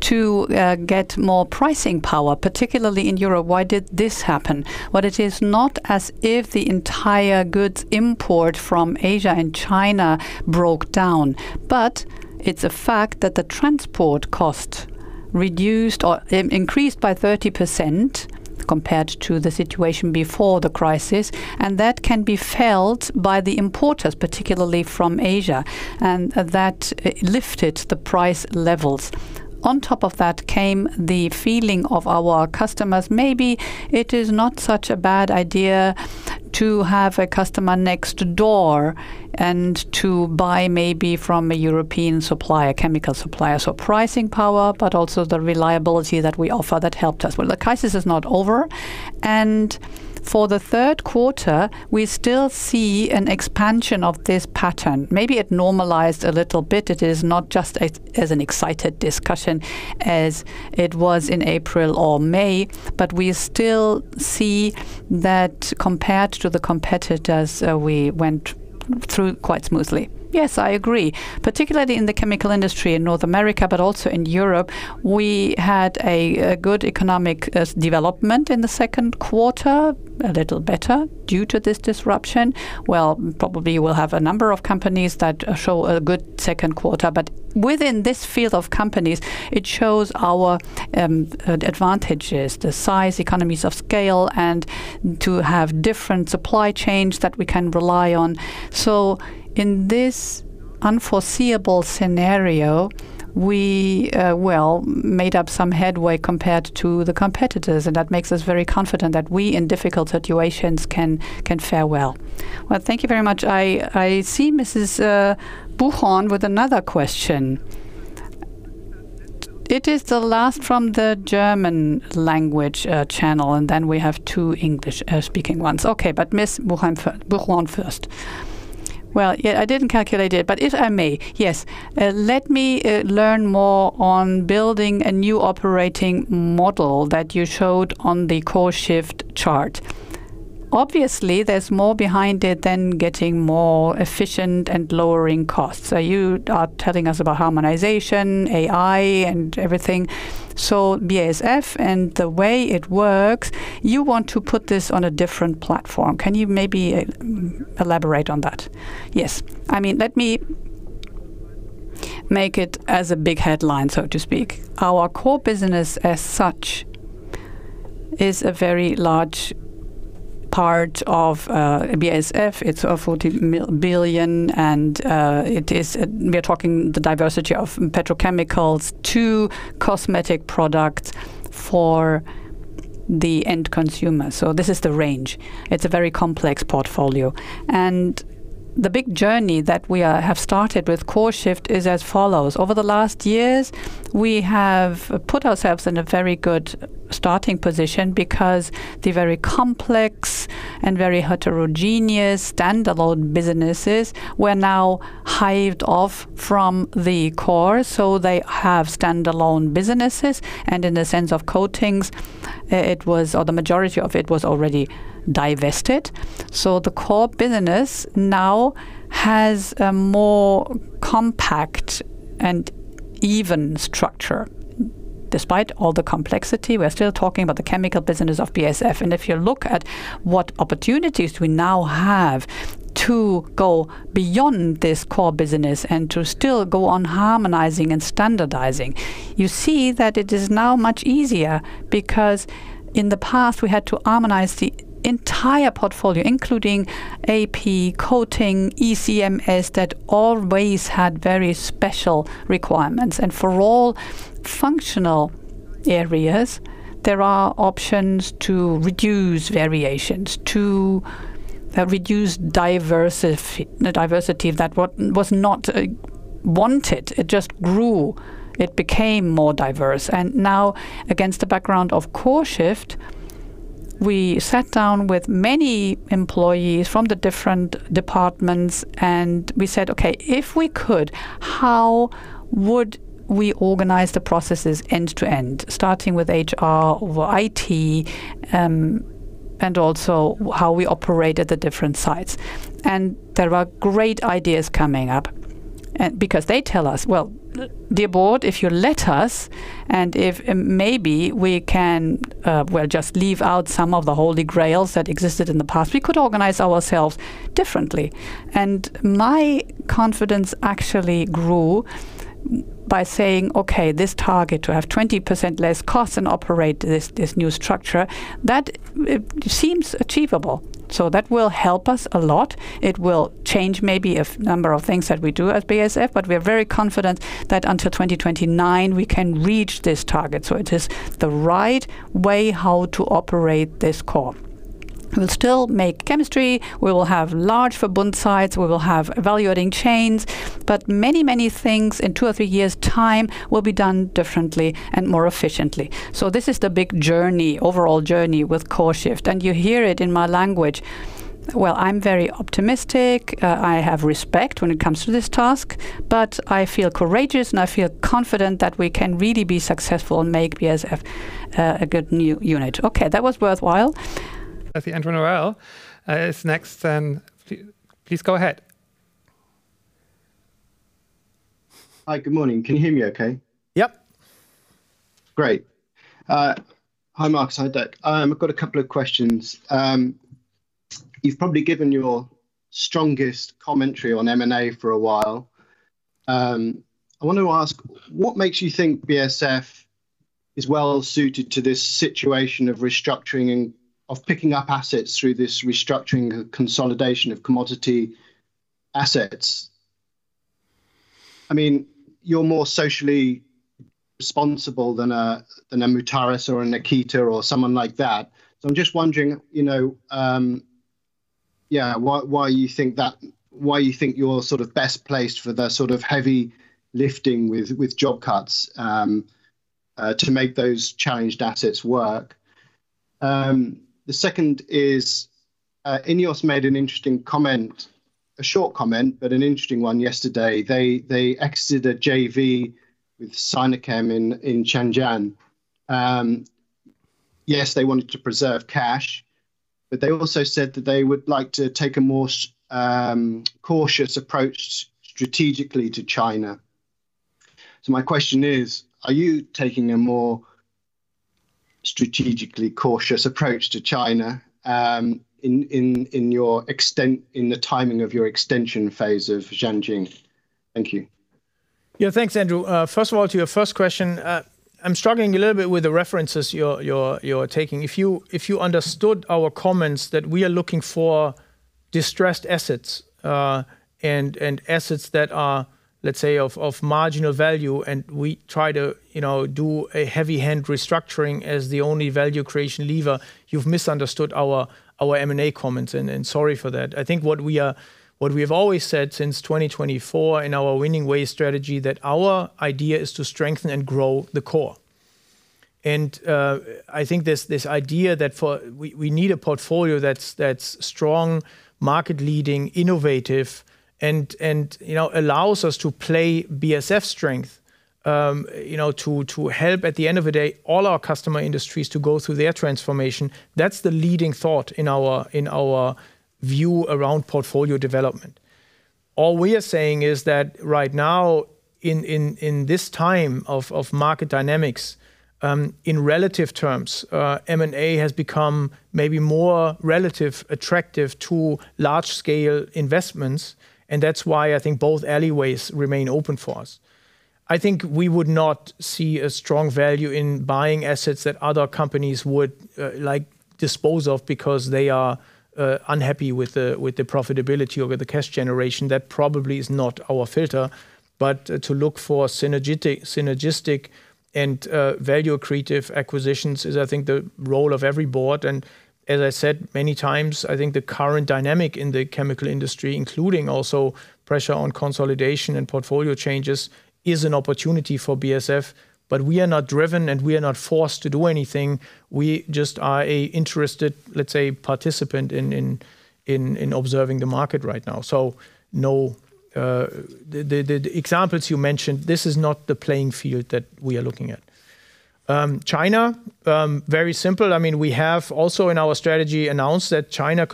to get more pricing power, particularly in Europe. Why did this happen? Well it is not as if the entire goods import from Asia and China broke down, but it's a fact that the transport cost increased by 30% compared to the situation before the crisis, and that can be felt by the importers, particularly from Asia. That lifted the price levels. On top of that came the feeling of our customers, maybe it is not such a bad idea to have a customer next door and to buy maybe from a European supplier, chemical supplier. Pricing power, but also the reliability that we offer that helped us. Well, the crisis is not over, and for the third quarter, we still see an expansion of this pattern. Maybe it normalized a little bit. It is not just as an excited discussion as it was in April or May, but we still see that compared to the competitors, we went through quite smoothly. Yes, I agree. Particularly in the chemical industry in North America, but also in Europe, we had a good economic development in the second quarter, a little better due to this disruption. Well, probably we'll have a number of companies that show a good second quarter. Within this field of companies, it shows our advantages, the size, economies of scale, and to have different supply chains that we can rely on. In this unforeseeable scenario, we made up some headway compared to the competitors, and that makes us very confident that we, in difficult situations, can fare well. Well, thank you very much. I see Ms. Buchhorn with another question. It is the last from the German language channel, and then we have two English-speaking ones. Okay, Ms. Buchhorn first. Well, yeah, I didn't calculate it, but if I may. Yes. Let me learn more on building a new operating model that you showed on the CoreShift chart. Obviously, there's more behind it than getting more efficient and lowering costs. You are telling us about harmonization, AI, and everything. BASF and the way it works, you want to put this on a different platform. Can you maybe elaborate on that? Yes. Let me make it as a big headline, so to speak. Our core business as such is a very large part of BASF. It's 40 billion, and we are talking the diversity of petrochemicals to cosmetic products for the end consumer. This is the range. It's a very complex portfolio. The big journey that we have started with CoreShift is as follows. Over the last years, we have put ourselves in a very good starting position because the very complex and very heterogeneous standalone businesses were now hived off from the core. They have standalone businesses, and in the sense of coatings, the majority of it was already divested. The core business now has a more compact and even structure. Despite all the complexity, we are still talking about the chemical business of BASF. If you look at what opportunities we now have to go beyond this core business and to still go on harmonizing and standardizing, you see that it is now much easier because in the past, we had to harmonize the entire portfolio, including AP, coating, ECMS, that always had very special requirements. For all functional areas, there are options to reduce variations, to reduce diversity that was not wanted. It just grew. It became more diverse. Now, against the background of CoreShift, we sat down with many employees from the different departments, and we said, "Okay, if we could, how would we organize the processes end to end?" Starting with HR, IT, and also how we operate at the different sites. There are great ideas coming up. They tell us, "Well, dear board, if you let us, and if maybe we can, well, just leave out some of the holy grails that existed in the past, we could organize ourselves differently." My confidence actually grew by saying, okay, this target to have 20% less cost and operate this new structure, that seems achievable. That will help us a lot. It will change maybe a number of things that we do at BASF, but we are very confident that until 2029, we can reach this target. It is the right way how to operate this core. We will still make chemistry. We will have large Verbund sites. We will have value adding chains, but many things in two or three years' time will be done differently and more efficiently. This is the big journey, overall journey with CoreShift, you hear it in my language. Well, I am very optimistic. I have respect when it comes to this task, but I feel courageous, and I feel confident that we can really be successful and make BASF a good new unit. Okay. That was worthwhile. I think Andrew Noël is next. Please go ahead. Hi. Good morning. Can you hear me okay? Yep. Great. Hi, Markus. Hi, Dirk. I've got a couple of questions. You've probably given your strongest commentary on M&A for a while. I want to ask, what makes you think BASF is well-suited to this situation of picking up assets through this restructuring consolidation of commodity assets? You're more socially responsible than a Mutares or a Nikita or someone like that. I'm just wondering, why you think you're best placed for the heavy lifting with job cuts, to make those challenged assets work. The second is, INEOS made an interesting comment, a short comment, but an interesting one yesterday. They exited a JV with Sinochem in Zhanjiang. Yes, they wanted to preserve cash, but they also said that they would like to take a more cautious approach strategically to China. My question is, are you taking a more strategically cautious approach to China, in the timing of your extension phase of Zhanjiang? Thank you. Thanks, Andrew. First of all, to your first question, I'm struggling a little bit with the references you're taking. If you understood our comments that we are looking for distressed assets, and assets that are, let's say, of marginal value, and we try to do a heavy-hand restructuring as the only value-creation lever, you've misunderstood our M&A comments, and sorry for that. I think what we have always said since 2024 in our Winning Ways strategy, that our idea is to strengthen and grow the core. I think this idea that we need a portfolio that's strong, market-leading, innovative and allows us to play BASF strength to help, at the end of the day, all our customer industries to go through their transformation. That's the leading thought in our view around portfolio development. All we are saying is that right now, in this time of market dynamics, in relatively attractive terms, M&A has become maybe more relatively attractive to large-scale investments, and that's why I think both avenues remain open for us. I think we would not see a strong value in buying assets that other companies would like dispose of because they are unhappy with the profitability or with the cash generation. That probably is not our filter, but to look for synergistic and value-accretive acquisitions is, I think, the role of every board. As I said many times, I think the current dynamic in the chemical industry, including also pressure on consolidation and portfolio changes, is an opportunity for BASF. We are not driven, and we are not forced to do anything. We just are a interested, let's say, participant in observing the market right now. The examples you mentioned, this is not the playing field that we are looking at. China, very simple. We have also in our strategy announced that China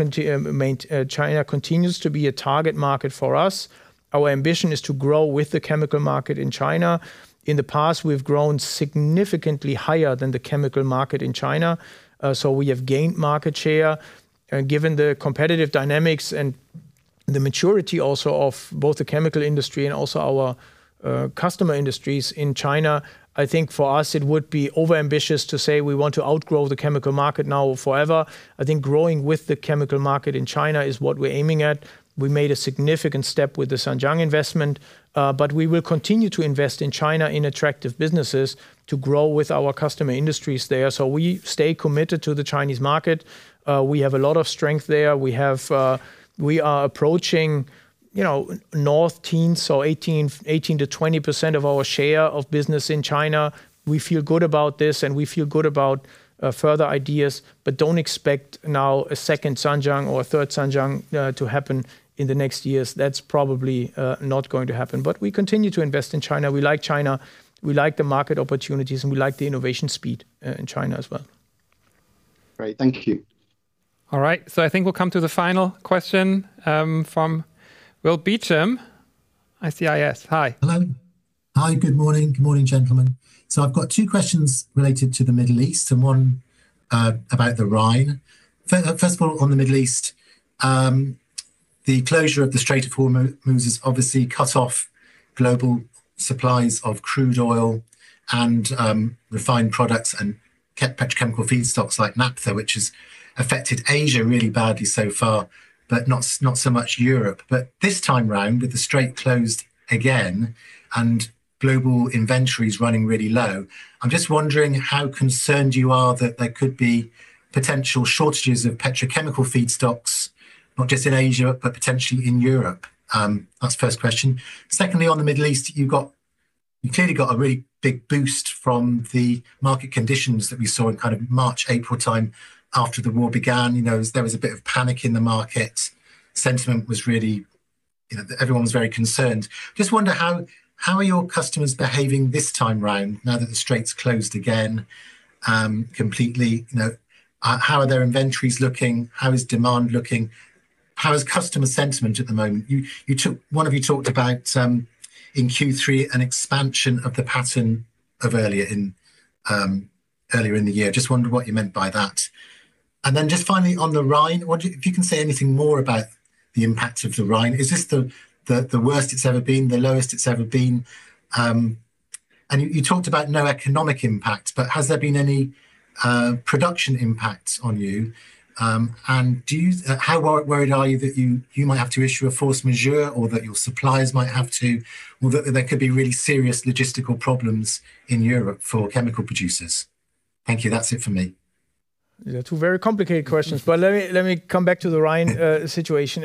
continues to be a target market for us. Our ambition is to grow with the chemical market in China. In the past, we've grown significantly higher than the chemical market in China. We have gained market share. Given the competitive dynamics and the maturity also of both the chemical industry and also our customer industries in China, I think for us it would be overambitious to say we want to outgrow the chemical market now forever. I think growing with the chemical market in China is what we're aiming at. We made a significant step with the Zhanjiang investment. We will continue to invest in China in attractive businesses to grow with our customer industries there. We stay committed to the Chinese market. We have a lot of strength there. We are approaching north teens, so 18%-20% of our share of business in China. We feel good about this, and we feel good about further ideas, but don't expect now a second Zhanjiang or a third Zhanjiang to happen in the next years. That's probably not going to happen. We continue to invest in China. We like China, we like the market opportunities, and we like the innovation speed in China as well. Great. Thank you. All right. I think we'll come to the final question, from Will Beacham, ICIS. Hi. Hello. Hi, good morning. Good morning, gentlemen. I've got two questions related to the Middle East and one about the Rhine. First of all, on the Middle East, the closure of the Strait of Hormuz has obviously cut off global supplies of crude oil and refined products and petrochemical feedstocks like naphtha, which has affected Asia really badly so far, but not so much Europe. This time round, with the strait closed again and global inventories running really low, I'm just wondering how concerned you are that there could be potential shortages of petrochemical feedstocks, not just in Asia, but potentially in Europe. That's the first question. Secondly, on the Middle East, you clearly got a really big boost from the market conditions that we saw in March, April time after the war began. There was a bit of panic in the market. Everyone was very concerned. I just wonder how are your customers behaving this time around now that the strait's closed again completely? How are their inventories looking? How is demand looking? How is customer sentiment at the moment? One of you talked about, in Q3, an expansion of the pattern of earlier in the year. Just wondered what you meant by that. Then just finally, on the Rhine, if you can say anything more about the impact of the Rhine. Is this the worst it's ever been, the lowest it's ever been? You talked about no economic impact, but has there been any production impact on you? How worried are you that you might have to issue a force majeure or that your suppliers might have to, or that there could be really serious logistical problems in Europe for chemical producers? Thank you. That's it from me. Yeah. Two very complicated questions, let me come back to the Rhine situation.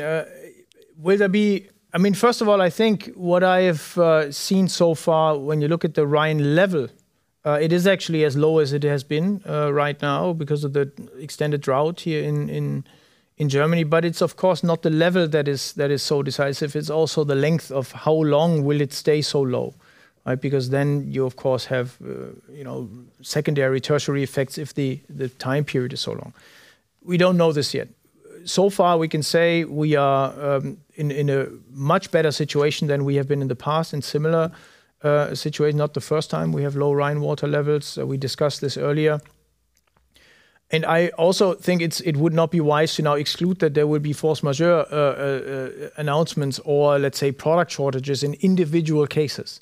First of all, I think what I have seen so far when you look at the Rhine level, it is actually as low as it has been right now because of the extended drought here in Germany. It's of course not the level that is so decisive, it's also the length of how long will it stay so low. Then you of course have secondary, tertiary effects if the time period is so long. We don't know this yet. Far, we can say we are in a much better situation than we have been in the past in similar situations. Not the first time we have low Rhine water levels. We discussed this earlier. I also think it would not be wise to now exclude that there will be force majeure announcements or, let's say, product shortages in individual cases.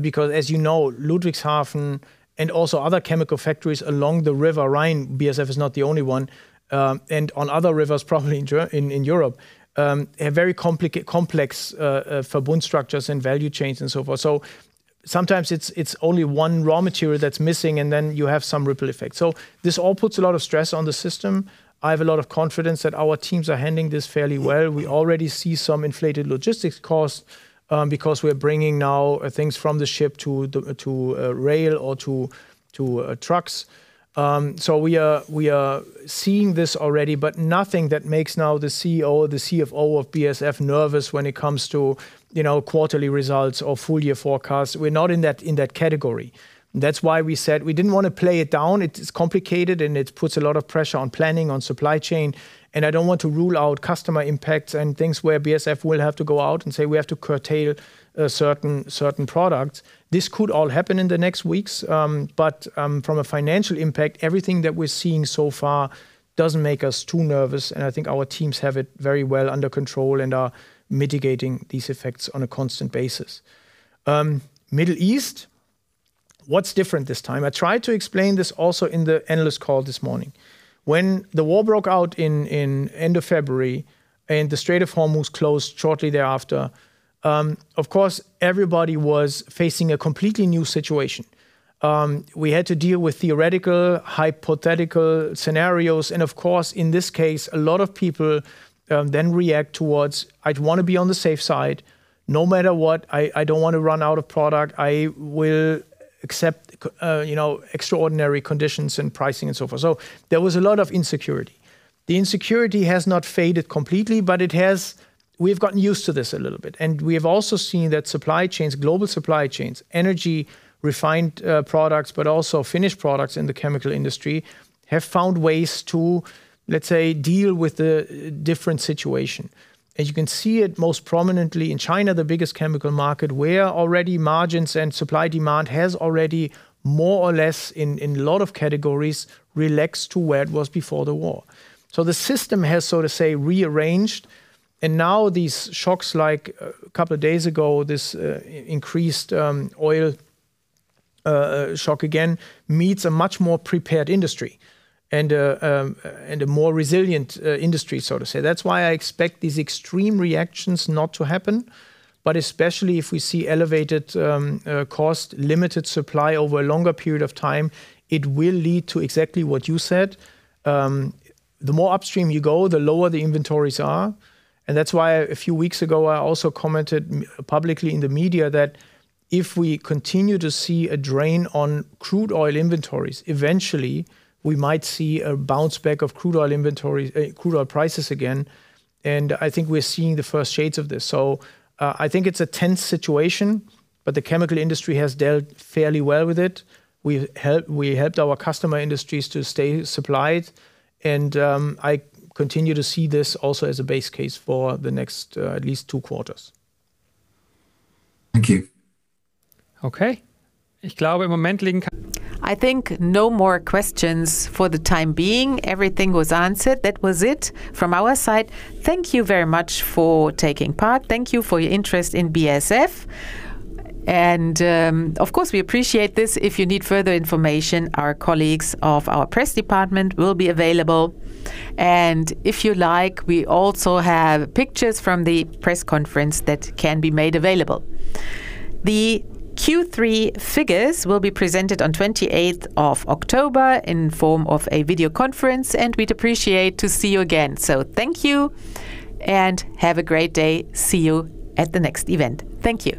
Because as you know, Ludwigshafen and also other chemical factories along the River Rhine, BASF is not the only one, and on other rivers, probably in Europe, have very complex Verbund structures and value chains and so forth. Sometimes it's only one raw material that's missing, and then you have some ripple effects. This all puts a lot of stress on the system. I have a lot of confidence that our teams are handling this fairly well. We already see some inflated logistics costs because we're bringing now things from the ship to rail or to trucks. We are seeing this already, but nothing that makes now the CEO or the CFO of BASF nervous when it comes to quarterly results or full-year forecasts. We're not in that category. That's why we said we didn't want to play it down. It's complicated, and it puts a lot of pressure on planning, on supply chain, and I don't want to rule out customer impacts and things where BASF will have to go out and say we have to curtail certain products. This could all happen in the next weeks, but from a financial impact, everything that we're seeing so far doesn't make us too nervous, and I think our teams have it very well under control and are mitigating these effects on a constant basis. Middle East, what's different this time? I tried to explain this also in the analyst call this morning. When the war broke out in end of February and the Strait of Hormuz closed shortly thereafter, of course, everybody was facing a completely new situation. We had to deal with theoretical, hypothetical scenarios and of course, in this case, a lot of people then react towards, "I'd want to be on the safe side. No matter what, I don't want to run out of product. I will accept extraordinary conditions and pricing," and so forth. There was a lot of insecurity. The insecurity has not faded completely, but we've gotten used to this a little bit, and we have also seen that supply chains, global supply chains, energy-refined products, but also finished products in the chemical industry, have found ways to, let's say, deal with the different situation. You can see it most prominently in China, the biggest chemical market, where already margins and supply-demand has already more or less in a lot of categories relaxed to where it was before the war. The system has, so to say, rearranged, and now these shocks, like a couple of days ago, this increased oil shock again, meets a much more prepared industry and a more resilient industry, so to say. That's why I expect these extreme reactions not to happen, but especially if we see elevated cost, limited supply over a longer period of time, it will lead to exactly what you said. The more upstream you go, the lower the inventories are. That's why a few weeks ago, I also commented publicly in the media that if we continue to see a drain on crude oil inventories, eventually we might see a bounce back of crude oil prices again. I think we're seeing the first shades of this. I think it's a tense situation, but the chemical industry has dealt fairly well with it. We helped our customer industries to stay supplied. I continue to see this also as a base case for the next at least two quarters. Thank you. Okay. I think no more questions for the time being. Everything was answered. That was it from our side. Thank you very much for taking part. Thank you for your interest in BASF. Of course, we appreciate this. If you need further information, our colleagues of our press department will be available. If you like, we also have pictures from the press conference that can be made available. The Q3 figures will be presented on 28th of October in form of a video conference. We'd appreciate to see you again. Thank you, and have a great day. See you at the next event. Thank you.